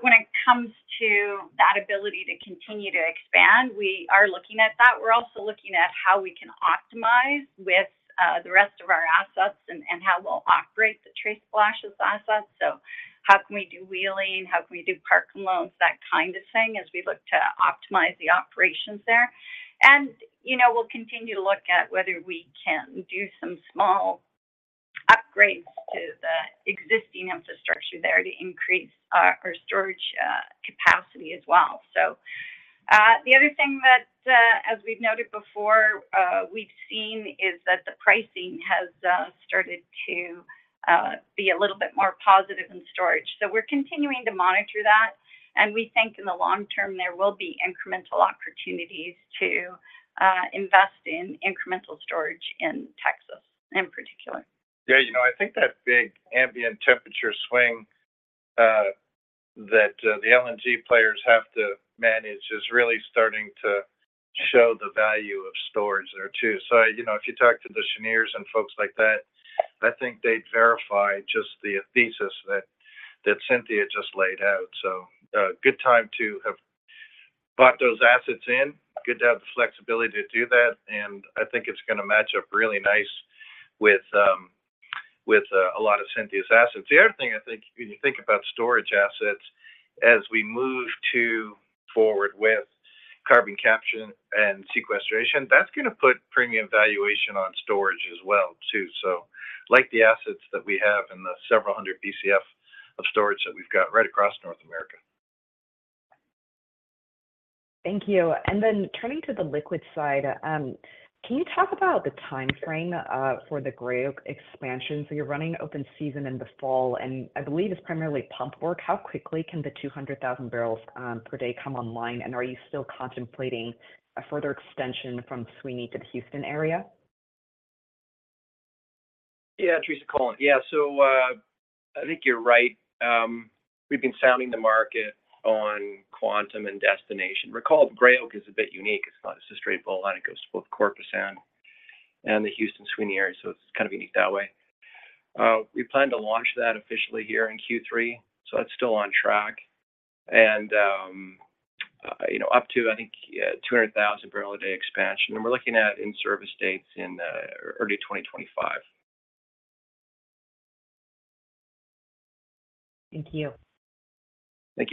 When it comes to that ability to continue to expand, we are looking at that. We're also looking at how we can optimize with the rest of our assets and, and how we'll operate the Tres Palacios assets. How can we do wheeling? How can we do parking loans? That kind of thing as we look to optimize the operations there. You know, we'll continue to look at whether we can do some small upgrades to the existing infrastructure there to increase our, our storage capacity as well. The other thing that, as we've noted before, we've seen is that the pricing has started to be a little bit more positive in storage. We're continuing to monitor that, and we think in the long term, there will be incremental opportunities to invest in incremental storage in Texas in particular. Yeah, you know, I think that big ambient temperature swing that the LNG players have to manage is really starting to show the value of storage there, too. You know, if you talk to the Cheniere and folks like that, I think they'd verify just the thesis that Cynthia just laid out. A good time to have bought those assets in. Good to have the flexibility to do that, and I think it's gonna match up really nice with a lot of Cynthia's assets. The other thing I think, when you think about storage assets, as we move to forward with carbon capture and sequestration, that's gonna put premium valuation on storage as well, too. Like the assets that we have and the several hundred BCF of storage that we've got right across North America. Thank you. Then turning to the liquid side, can you talk about the time frame for the Gray Oak expansion? You're running open season in the fall, and I believe it's primarily pump work. How quickly can the 200,000 barrels per day come online, and are you still contemplating a further extension from Sweeny to the Houston area? Yeah, Theresa, Colin. Yeah. I think you're right. We've been sounding the market on quantum and destination. Recall, Gray Oak is a bit unique. It's not just a straight bolt, and it goes to both Corpus and the Houston Sweeny area, so it's kind of unique that way. We plan to launch that officially here in Q3, so that's still on track. You know, up to, I think, a 200,000 barrel a day expansion, and we're looking at in-service dates in early 2025. Thank you. Thank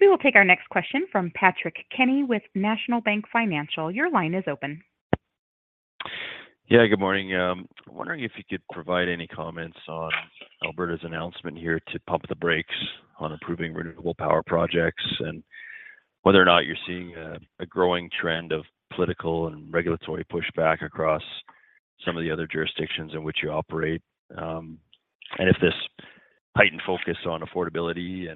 you. We will take our next question from Patrick Kenny with National Bank Financial. Your line is open. Yeah, good morning. I'm wondering if you could provide any comments on Alberta's announcement here to pump the brakes on approving renewable power projects, and whether or not you're seeing a, a growing trend of political and regulatory pushback across some of the other jurisdictions in which you operate? If this heightened focus on affordability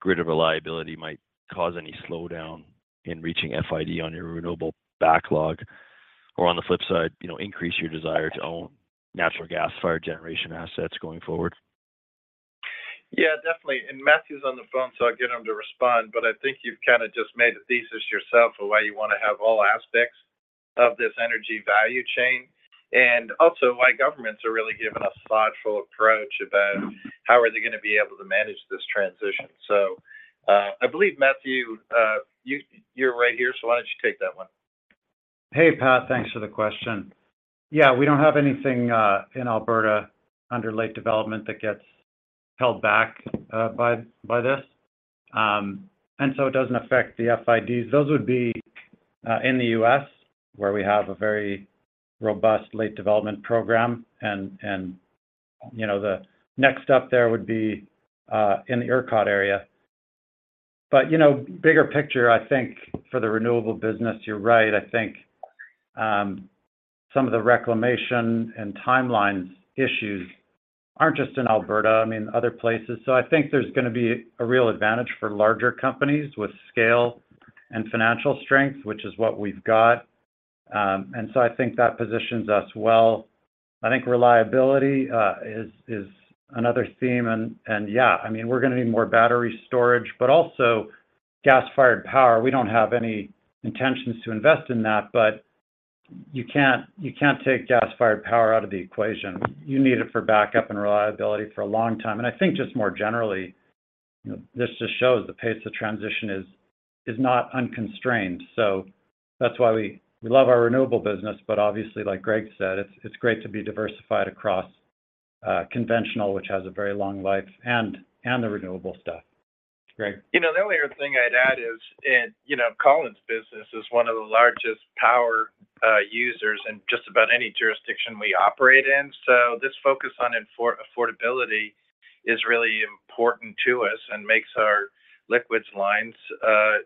and grid reliability might cause any slowdown in reaching FID on your renewable backlog, or on the flip side, you know, increase your desire to own natural gas-fired generation assets going forward? Yeah, definiteMly. Matthew's on the phone, so I'll get him to respond, but I think you've kind of just made the thesis yourself of why you want to have all aspects of this energy value chain, and also why governments are really giving a thoughtful approach about how are they gonna be able to manage this transition. I believe, Matthew, you're right here, so why don't you take that one? Hey, Pat, thanks for the question. Yeah, we don't have anything in Alberta under late development that gets held back by, by this. So it doesn't affect the FIDs. Those would be in the U.S., where we have a very robust late development program. You know, the next step there would be in the ERCOT area. You know, bigger picture, I think for the renewable business, you're right. I think some of the reclamation and timelines issues aren't just in Alberta, I mean, other places. I think there's gonna be a real advantage for larger companies with scale and financial strength, which is what we've got. So I think that positions us well. I think reliability is another theme, I mean, we're gonna need more battery storage, but also gas-fired power. We don't have any intentions to invest in that, but you can't, you can't take gas-fired power out of the equation. You need it for backup and reliability for a long time. I think just more generally, you know, this just shows the pace of transition is, is not unconstrained. That's why we, we love our renewable business, but obviously like Greg said, it's, it's great to be diversified across, uh, conventional, which has a very long life, and, and the renewable stuff. Greg? You know, the only other thing I'd add is in, you know, Colin's business is one of the largest power users in just about any jurisdiction we operate in. This focus on affordability is really important to us and makes our liquids lines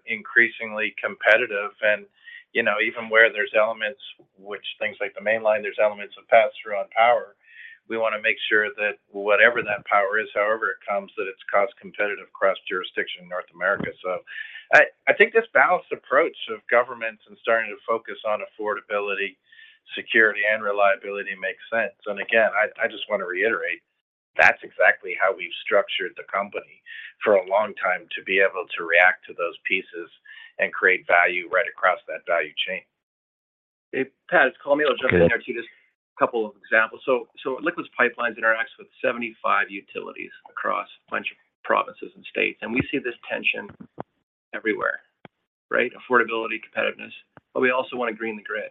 increasingly competitive. You know, even where there's elements, which things like the Mainline, there's elements of pass-through on power, we wanna make sure that whatever that power is, however it comes, that it's cost competitive across jurisdiction in North America. I, I think this balanced approach of governments and starting to focus on affordability, security, and reliability makes sense. Again, I, I just wanna reiterate, that's exactly how we've structured the company for a long time to be able to react to those pieces and create value right across that value chain. Hey, Pat, it's Colin. I'll jump in there. Okay... too, just a couple of examples. Liquids Pipelines interacts with 75 utilities across a bunch of provinces and states, and we see this tension everywhere, right? Affordability, competitiveness, we also wanna green the grid.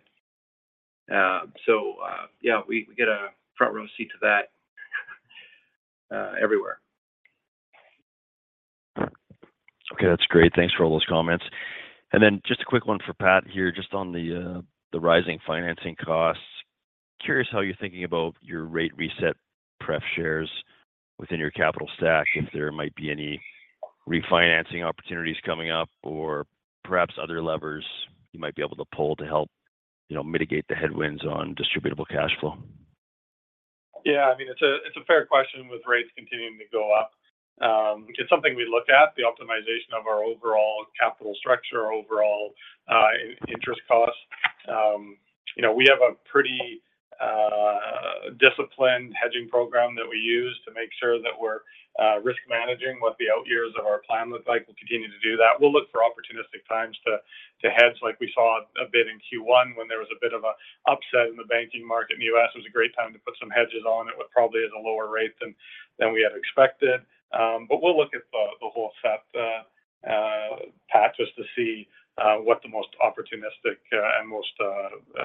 Yeah, we, we get a front row seat to that everywhere. Okay, that's great. Thanks for all those comments. Just a quick one for Pat here, just on the rising financing costs. Curious how you're thinking about your rate reset pref shares within your capital stack, if there might be any refinancing opportunities coming up, or perhaps other levers you might be able to pull to help, you know, mitigate the headwinds on distributable cash flow? Yeah, I mean, it's a, it's a fair question with rates continuing to go up. It's something we look at, the optimization of our overall capital structure, our overall interest costs. You know, we have a pretty disciplined hedging program that we use to make sure that we're risk managing what the out years of our plan look like. We'll continue to do that. We'll look for opportunistic times to, to hedge, like we saw a bit in Q1 when there was a bit of a upset in the banking market in the U.S. It was a great time to put some hedges on. It was probably at a lower rate than, than we had expected. We'll look at the, the whole set, Pat, just to see what the most opportunistic and most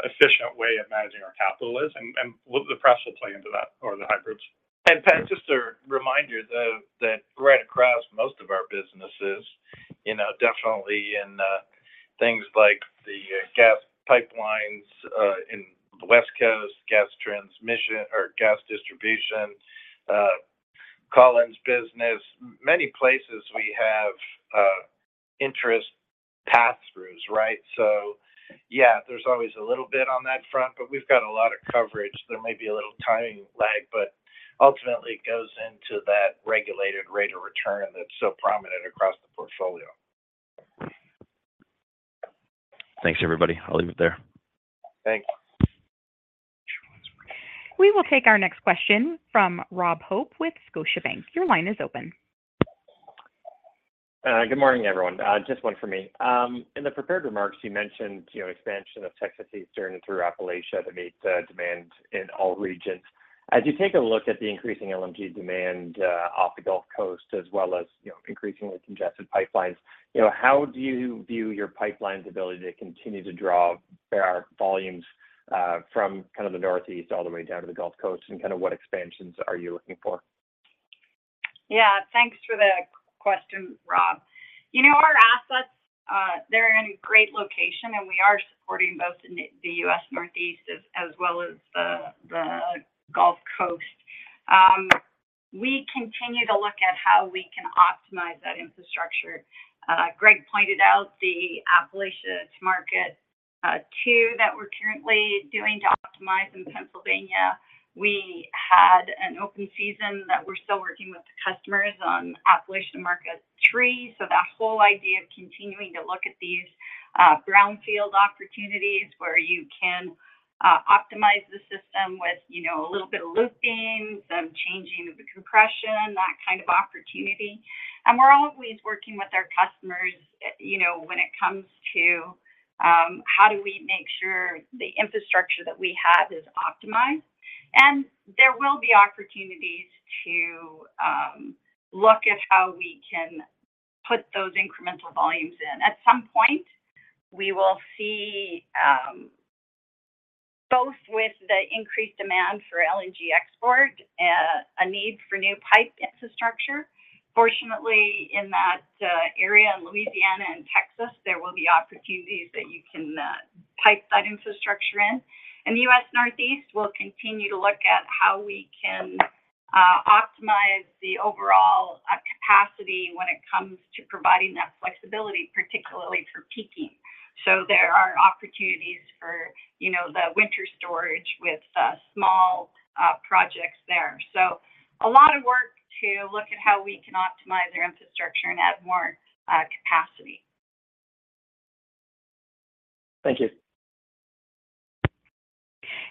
efficient way of managing our capital is, and the press will play into that or the hybrids. Pat, just a reminder, though, that right across most of our businesses, you know, definitely in things like the gas pipelines, in the West Coast, gas transmission or gas distribution, Colin's business, many places we have interest pass-throughs, right. Yeah, there's always a little bit on that front, but we've got a lot of coverage. There may be a little timing lag, but ultimately, it goes into that regulated rate of return that's so prominent across the portfolio. Thanks, everybody. I'll leave it there. Thanks. We will take our next question from Rob Hope with Scotiabank. Your line is open. Good morning, everyone. Just one for me. In the prepared remarks, you mentioned, you know, expansion of Texas Eastern through Appalachia to meet demand in all regions. As you take a look at the increasing LNG demand off the Gulf Coast, as well as, you know, increasingly congested pipelines, you know, how do you view your pipeline's ability to continue to draw volumes from kind of the Northeast all the way down to the Gulf Coast, and kind of what expansions are you looking for? Yeah, thanks for the question, Rob. You know, our assets, they're in a great location, and we are supporting both the U.S. Northeast as, as well as the Gulf Coast. We continue to look at how we can optimize that infrastructure. Greg pointed out the Appalachia to Market II that we're currently doing to optimize in Pennsylvania. We had an open season that we're still working with the customers on Appalachia to Market III. So that whole idea of continuing to look at these brownfield opportunities where you can optimize the system with, you know, a little bit of looping, some changing of the compression, that kind of opportunity. We're always working with our customers, you know, when it comes to, how do we make sure the infrastructure that we have is optimized? There will be opportunities to look at how we can put those incremental volumes in. At some point, we will see both with the increased demand for LNG export, a need for new pipe infrastructure. Fortunately, in that area in Louisiana and Texas, there will be opportunities that you can pipe that infrastructure in. In the U.S. Northeast, we'll continue to look at how we can optimize the overall capacity when it comes to providing that flexibility, particularly for peaking. There are opportunities for, you know, the winter storage with small projects there. A lot of work to look at how we can optimize our infrastructure and add more capacity. Thank you.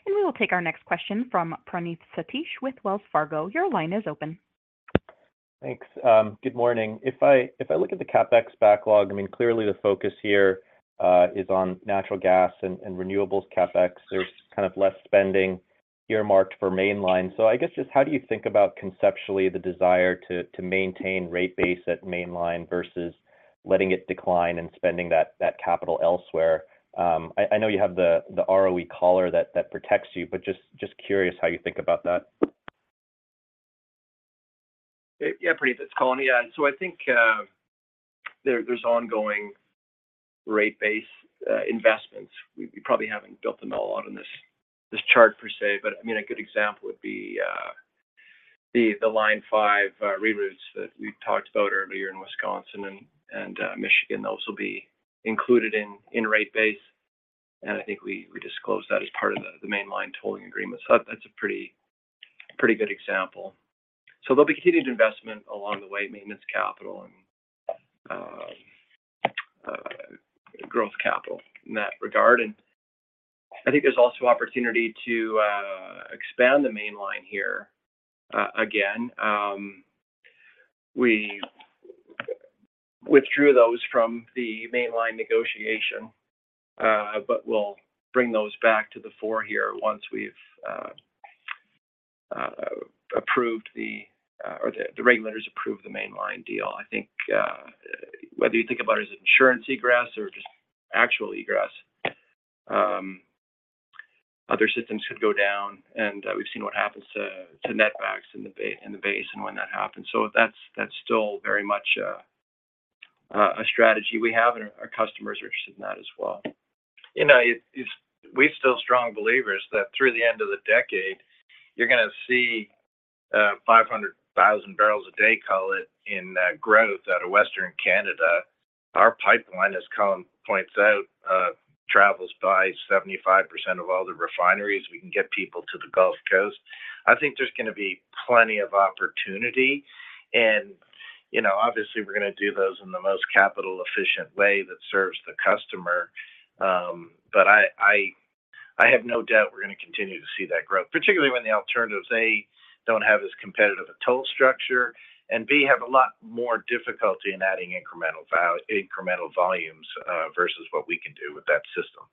We will take our next question from Praneeth Satish with Wells Fargo. Your line is open. Thanks. Good morning. If I, if I look at the CapEx backlog, I mean, clearly the focus here is on natural gas and renewables CapEx. There's kind of less spending earmarked for Mainline. I guess just how do you think about conceptually the desire to maintain rate base at Mainline versus letting it decline and spending that capital elsewhere? I, I know you have the ROE collar that protects you, but just curious how you think about that. Yeah, Praneeth, it's Colin. Yeah, I think there, there's ongoing rate base investments. We, we probably haven't built them all out on this, this chart per se, but, I mean, a good example would be the Line 5 reroutes that we talked about earlier in Wisconsin and Michigan. Those will be included in rate base, and I think we, we disclosed that as part of the Mainline tolling agreement. That, that's a pretty, pretty good example. There'll be continued investment along the way, maintenance, capital, and growth capital in that regard, and I think there's also opportunity to expand the Mainline here. Again, we withdrew those from the Mainline negotiation, but we'll bring those back to the fore here once we've approved the... The, the regulators approve the Mainline deal. I think, whether you think about it as insurance egress or just actual egress, other systems could go down, and we've seen what happens to netbacks in the base when that happens. That's, that's still very much a strategy we have, and our customers are interested in that as well. You know, it's, it's we're still strong believers that through the end of the decade, you're gonna see 500,000 barrels a day, call it, in growth out of Western Canada. Our pipeline, as Colin points out, travels by 75% of all the refineries. We can get people to the Gulf Coast. I think there's gonna be plenty of opportunity, and, you know, obviously we're gonna do those in the most capital-efficient way that serves the customer. I, I, I have no doubt we're gonna continue to see that growth, particularly when the alternatives, A, don't have as competitive a toll structure, and B, have a lot more difficulty in adding incremental volumes versus what we can do with that system.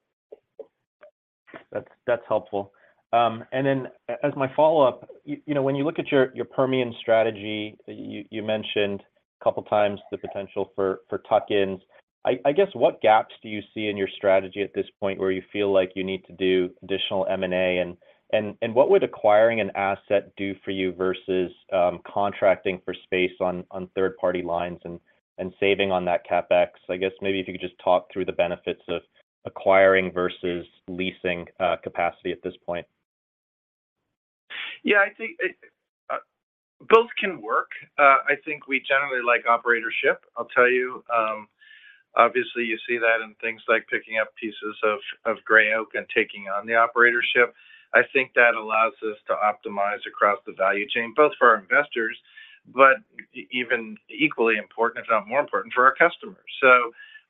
That's, that's helpful. Then as my follow-up, you know, when you look at your Permian strategy, you, you mentioned a couple of times the potential for, for tuck-ins. I guess, what gaps do you see in your strategy at this point where you feel like you need to do additional M&A, and what would acquiring an asset do for you versus contracting for space on third-party lines and saving on that CapEx? I guess maybe if you could just talk through the benefits of acquiring versus leasing capacity at this point. Yeah, I think both can work. I think we generally like operatorship. I'll tell you, obviously you see that in things like picking up pieces of Gray Oak and taking on the operatorship. I think that allows us to optimize across the value chain, both for our investors, but even equally important, if not more important, for our customers.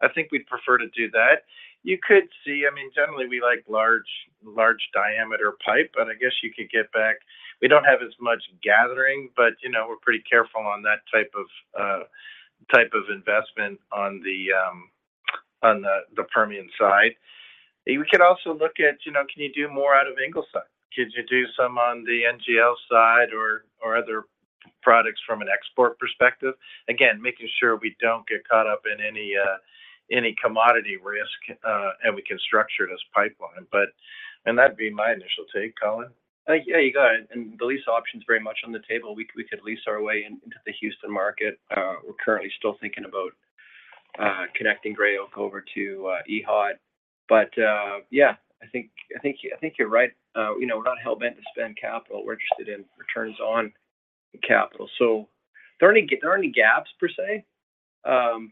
I think we'd prefer to do that. You could see... I mean, generally, we like large, large-diameter pipe, but I guess you could get back. We don't have as much gathering, but, you know, we're pretty careful on that type of type of investment on the on the Permian side. We could also look at, you know, can you do more out of Ingleside? Could you do some on the NGL side or other products from an export perspective? Again, making sure we don't get caught up in any, any commodity risk, and we can structure it as pipeline, that'd be my initial take, Colin. Yeah, you got it, and the lease option's very much on the table. We could lease our way into the Houston market. We're currently still thinking about connecting Gray Oak over to ECHO. Yeah, I think, I think, I think you're right. You know, we're not hell-bent to spend capital. We're interested in returns on the capital. There aren't any, there aren't any gaps per se, but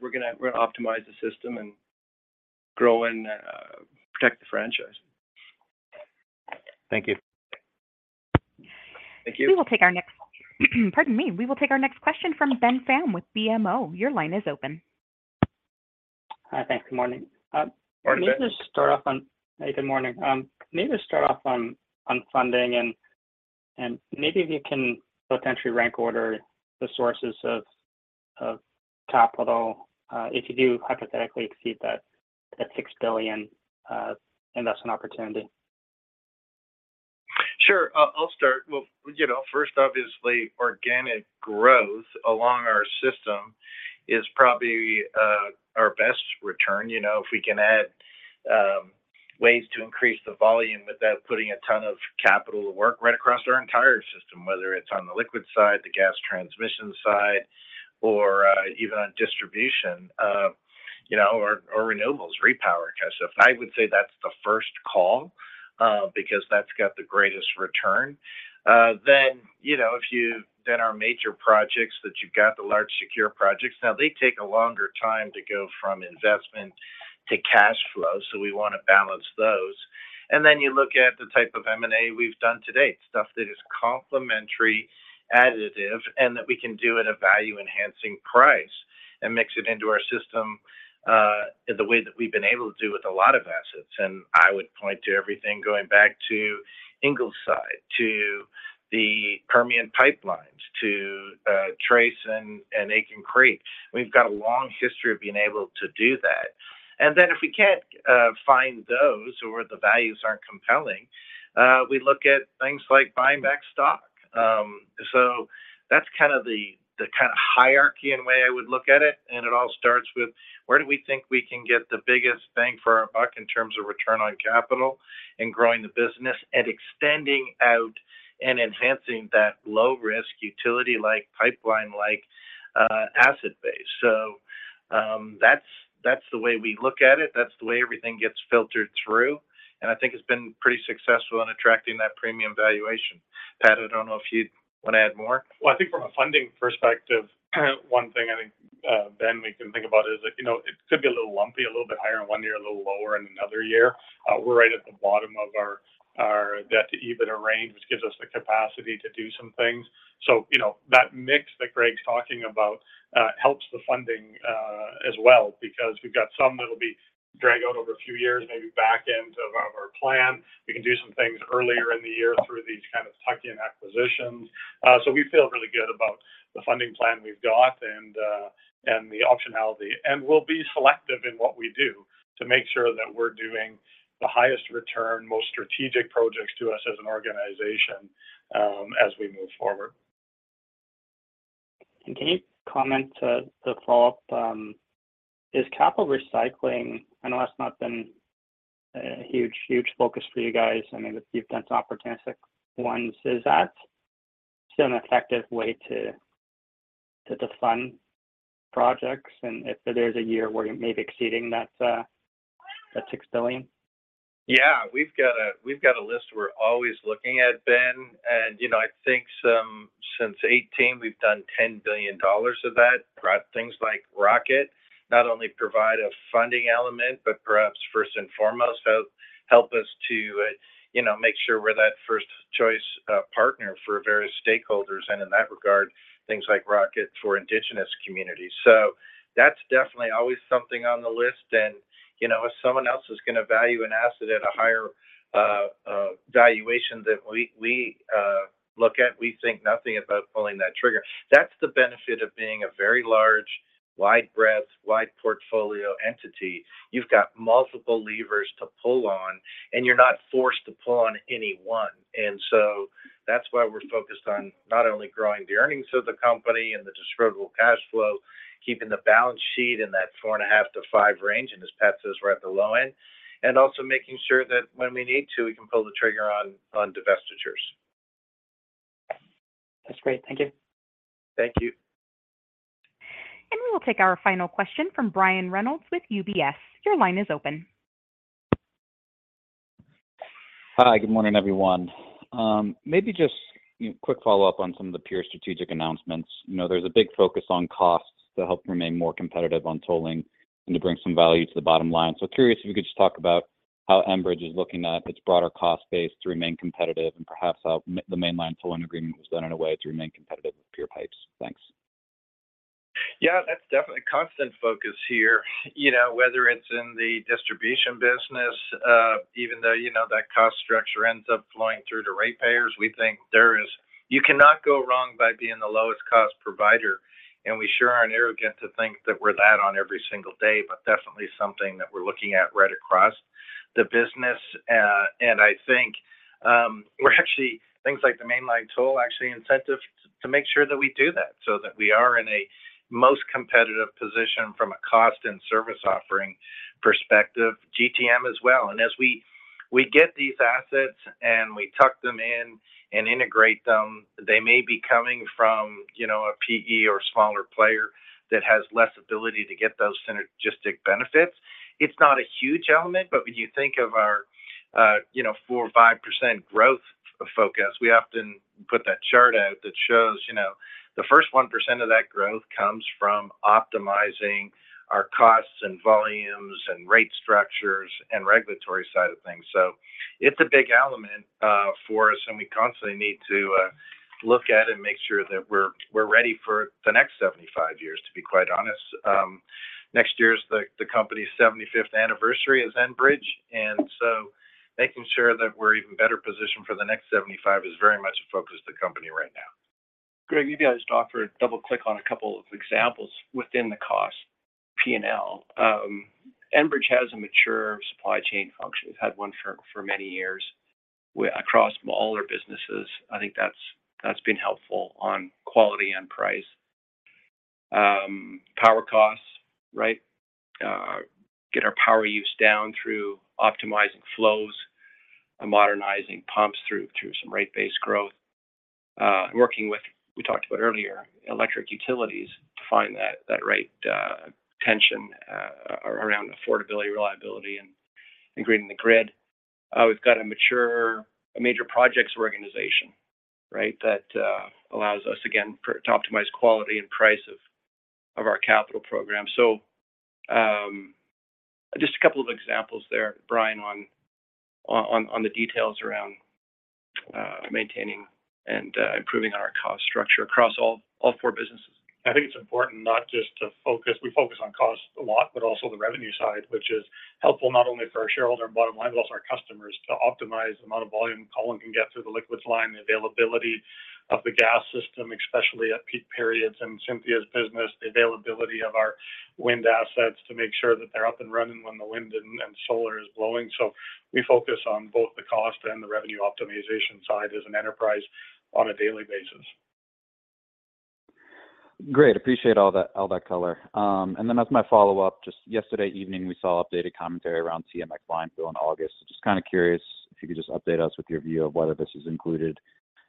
we're gonna optimize the system and grow and protect the franchise. Thank you. Thank you. We will take our next question from Ben Pham with BMO. Your line is open. Hi. Thanks, good morning. Morning, Ben. Let me just start off. Hey, good morning. Maybe start off on, on funding, and, and maybe if you can potentially rank order the sources of, of capital, if you do hypothetically exceed that, that $6 billion investment opportunity? Sure, I'll, I'll start. Well, you know, first, obviously, organic growth along our system is probably our best return. You know, if we can add ways to increase the volume without putting a ton of capital to work right across our entire system, whether it's on the liquid side, the gas transmission side, or even on distribution, you know, or renewables, repower kind of stuff. I would say that's the first call, because that's got the greatest return. You know, if you've done our major projects, that you've got the large, secure projects. Now, they take a longer time to go from investment to cash flow, so we wanna balance those. Then you look at the type of M&A we've done to date, stuff that is complementary, additive, and that we can do at a value-enhancing price and mix it into our system, in the way that we've been able to do with a lot of assets. I would point to everything going back to Ingleside, to the Permian pipelines, to, Tres Palacios and, and Aitken Creek. We've got a long history of being able to do that. Then if we can't, find those or the values aren't compelling, we look at things like buying back stock. That's kind of the, the kind of hierarchy and way I would look at it, and it all starts with where do we think we can get the biggest bang for our buck in terms of return on capital and growing the business and extending out and enhancing that low-risk, utility-like, pipeline-like, asset base? That's, that's the way we look at it. That's the way everything gets filtered through, and I think it's been pretty successful in attracting that premium valuation. Pat, I don't know if you'd wanna add more? I think from a funding perspective, one thing I think, Ben, we can think about is that, you know, it could be a little lumpy, a little bit higher in one year, a little lower in another year. We're right at the bottom of our debt-to-EBITDA range, which gives us the capacity to do some things. You know, that mix that Greg's talking about, helps the funding as well, because we've got some that'll be dragged out over a few years, maybe back end of our plan. We can do some things earlier in the year through these kind of tuck-in acquisitions. We feel really good about the funding plan we've got and the optionality. We'll be selective in what we do to make sure that we're doing the highest return, most strategic projects to us as an organization, as we move forward. Can you comment, to follow up, is capital recycling, I know that's not been a huge, huge focus for you guys. I mean, if you've done some opportunistic ones, is that still an effective way to, to fund projects, and if there's a year where you're maybe exceeding that, that $6 billion? Yeah, we've got a, we've got a list we're always looking at, Ben, and, you know, I think some, since 2018, we've done $10 billion of that. Right? Things like Project Rocket not only provide a funding element, but perhaps first and foremost, help, help us to, you know, make sure we're that first-choice partner for various stakeholders and in that regard, things like Project Rocket for indigenous communities. That's definitely always something on the list and, you know, if someone else is gonna value an asset at a higher valuation than we, we, look at, we think nothing about pulling that trigger. That's the benefit of being a very large, wide-breadth, wide-portfolio entity. You've got multiple levers to pull on, and you're not forced to pull on any one. That's why we're focused on not only growing the earnings of the company and the distributable cash flow, keeping the balance sheet in that 4.5-5 range, and as Pat says, we're at the low end, and also making sure that when we need to, we can pull the trigger on divestitures. That's great. Thank you. Thank you. We will take our final question from Brian Reynolds with UBS. Your line is open. Hi. Good morning, everyone. Maybe just, you know, quick follow-up on some of the peer strategic announcements. You know, there's a big focus on costs to help remain more competitive on tolling and to bring some value to the bottom line. Curious if you could just talk about how Enbridge is looking at its broader cost base to remain competitive and perhaps how the Mainline tolling agreement was done in a way to remain competitive with peer pipes. Thanks. Yeah, that's definitely a constant focus here. You know, whether it's in the distribution business, even though, you know, that cost structure ends up flowing through to ratepayers, we think there is. You cannot go wrong by being the lowest-cost provider, and we sure aren't arrogant to think that we're that on every single day, but definitely something that we're looking at right across the business. I think, we're actually, things like the Mainline toll actually incentive to, to make sure that we do that, so that we are in a most competitive position from a cost and service offering perspective, GTM as well. As we, we get these assets, and we tuck them in and integrate them, they may be coming from, you know, a PE or smaller player that has less ability to get those synergistic benefits. It's not a huge element, but when you think of our, you know, 4% or 5% growth focus, we often put that chart out that shows, you know, the first 1% of that growth comes from optimizing our costs and volumes and rate structures and regulatory side of things. It's a big element for us, and we constantly need to look at and make sure that we're, we're ready for the next 75 years, to be quite honest. Next year is the, the company's 75th anniversary as Enbridge. Making sure that we're even better positioned for the next 75 is very much a focus of the company right now. Greg, maybe I just offer a double click on a couple of examples within the cost P&L. Enbridge has a mature supply chain function. We've had one for, for many years across all our businesses. I think that's, that's been helpful on quality and price. Power costs, right? Get our power use down through optimizing flows and modernizing pumps through, through some rate-based growth. Working with, we talked about earlier, electric utilities to find that, that right, tension around affordability, reliability, and greening the grid. We've got a mature, a major projects organization, right? That allows us, again, to optimize quality and price of our capital program. Just a couple of examples there, Brian, on, on, on, on the details around maintaining and improving our cost structure across all, all four businesses. I think it's important not just to focus, we focus on cost a lot, but also the revenue side, which is helpful not only for our shareholder and bottom line, but also our customers, to optimize the amount of volume Colin can get through the liquids line, the availability of the gas system, especially at peak periods, and Cynthia's business, the availability of our wind assets to make sure that they're up and running when the wind and solar is blowing. We focus on both the cost and the revenue optimization side as an enterprise on a daily basis. Great. Appreciate all that, all that color. As my follow-up, just yesterday evening, we saw updated commentary around TMX line fill in August. Just kind of curious if you could just update us with your view of whether this is included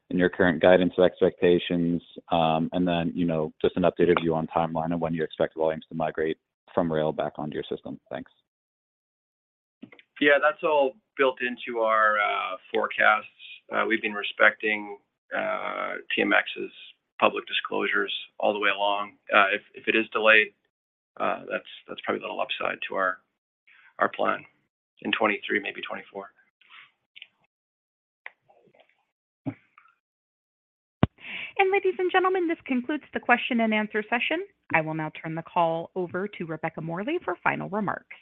in your current guidance expectations. You know, just an updated view on timeline of when you expect volumes to migrate from rail back onto your system. Thanks. Yeah, that's all built into our forecasts. We've been respecting TMX's public disclosures all the way along. If, if it is delayed, that's, that's probably a little upside to our plan in 2023, maybe 2024. Ladies and gentlemen, this concludes the question and answer session. I will now turn the call over to Rebecca Morley for final remarks.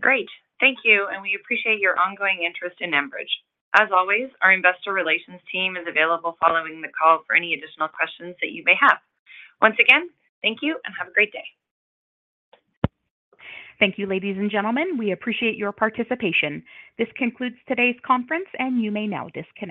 Great. Thank you, and we appreciate your ongoing interest in Enbridge. As always, our investor relations team is available following the call for any additional questions that you may have. Once again, thank you and have a great day. Thank you, ladies and gentlemen. We appreciate your participation. This concludes today's conference. You may now disconnect.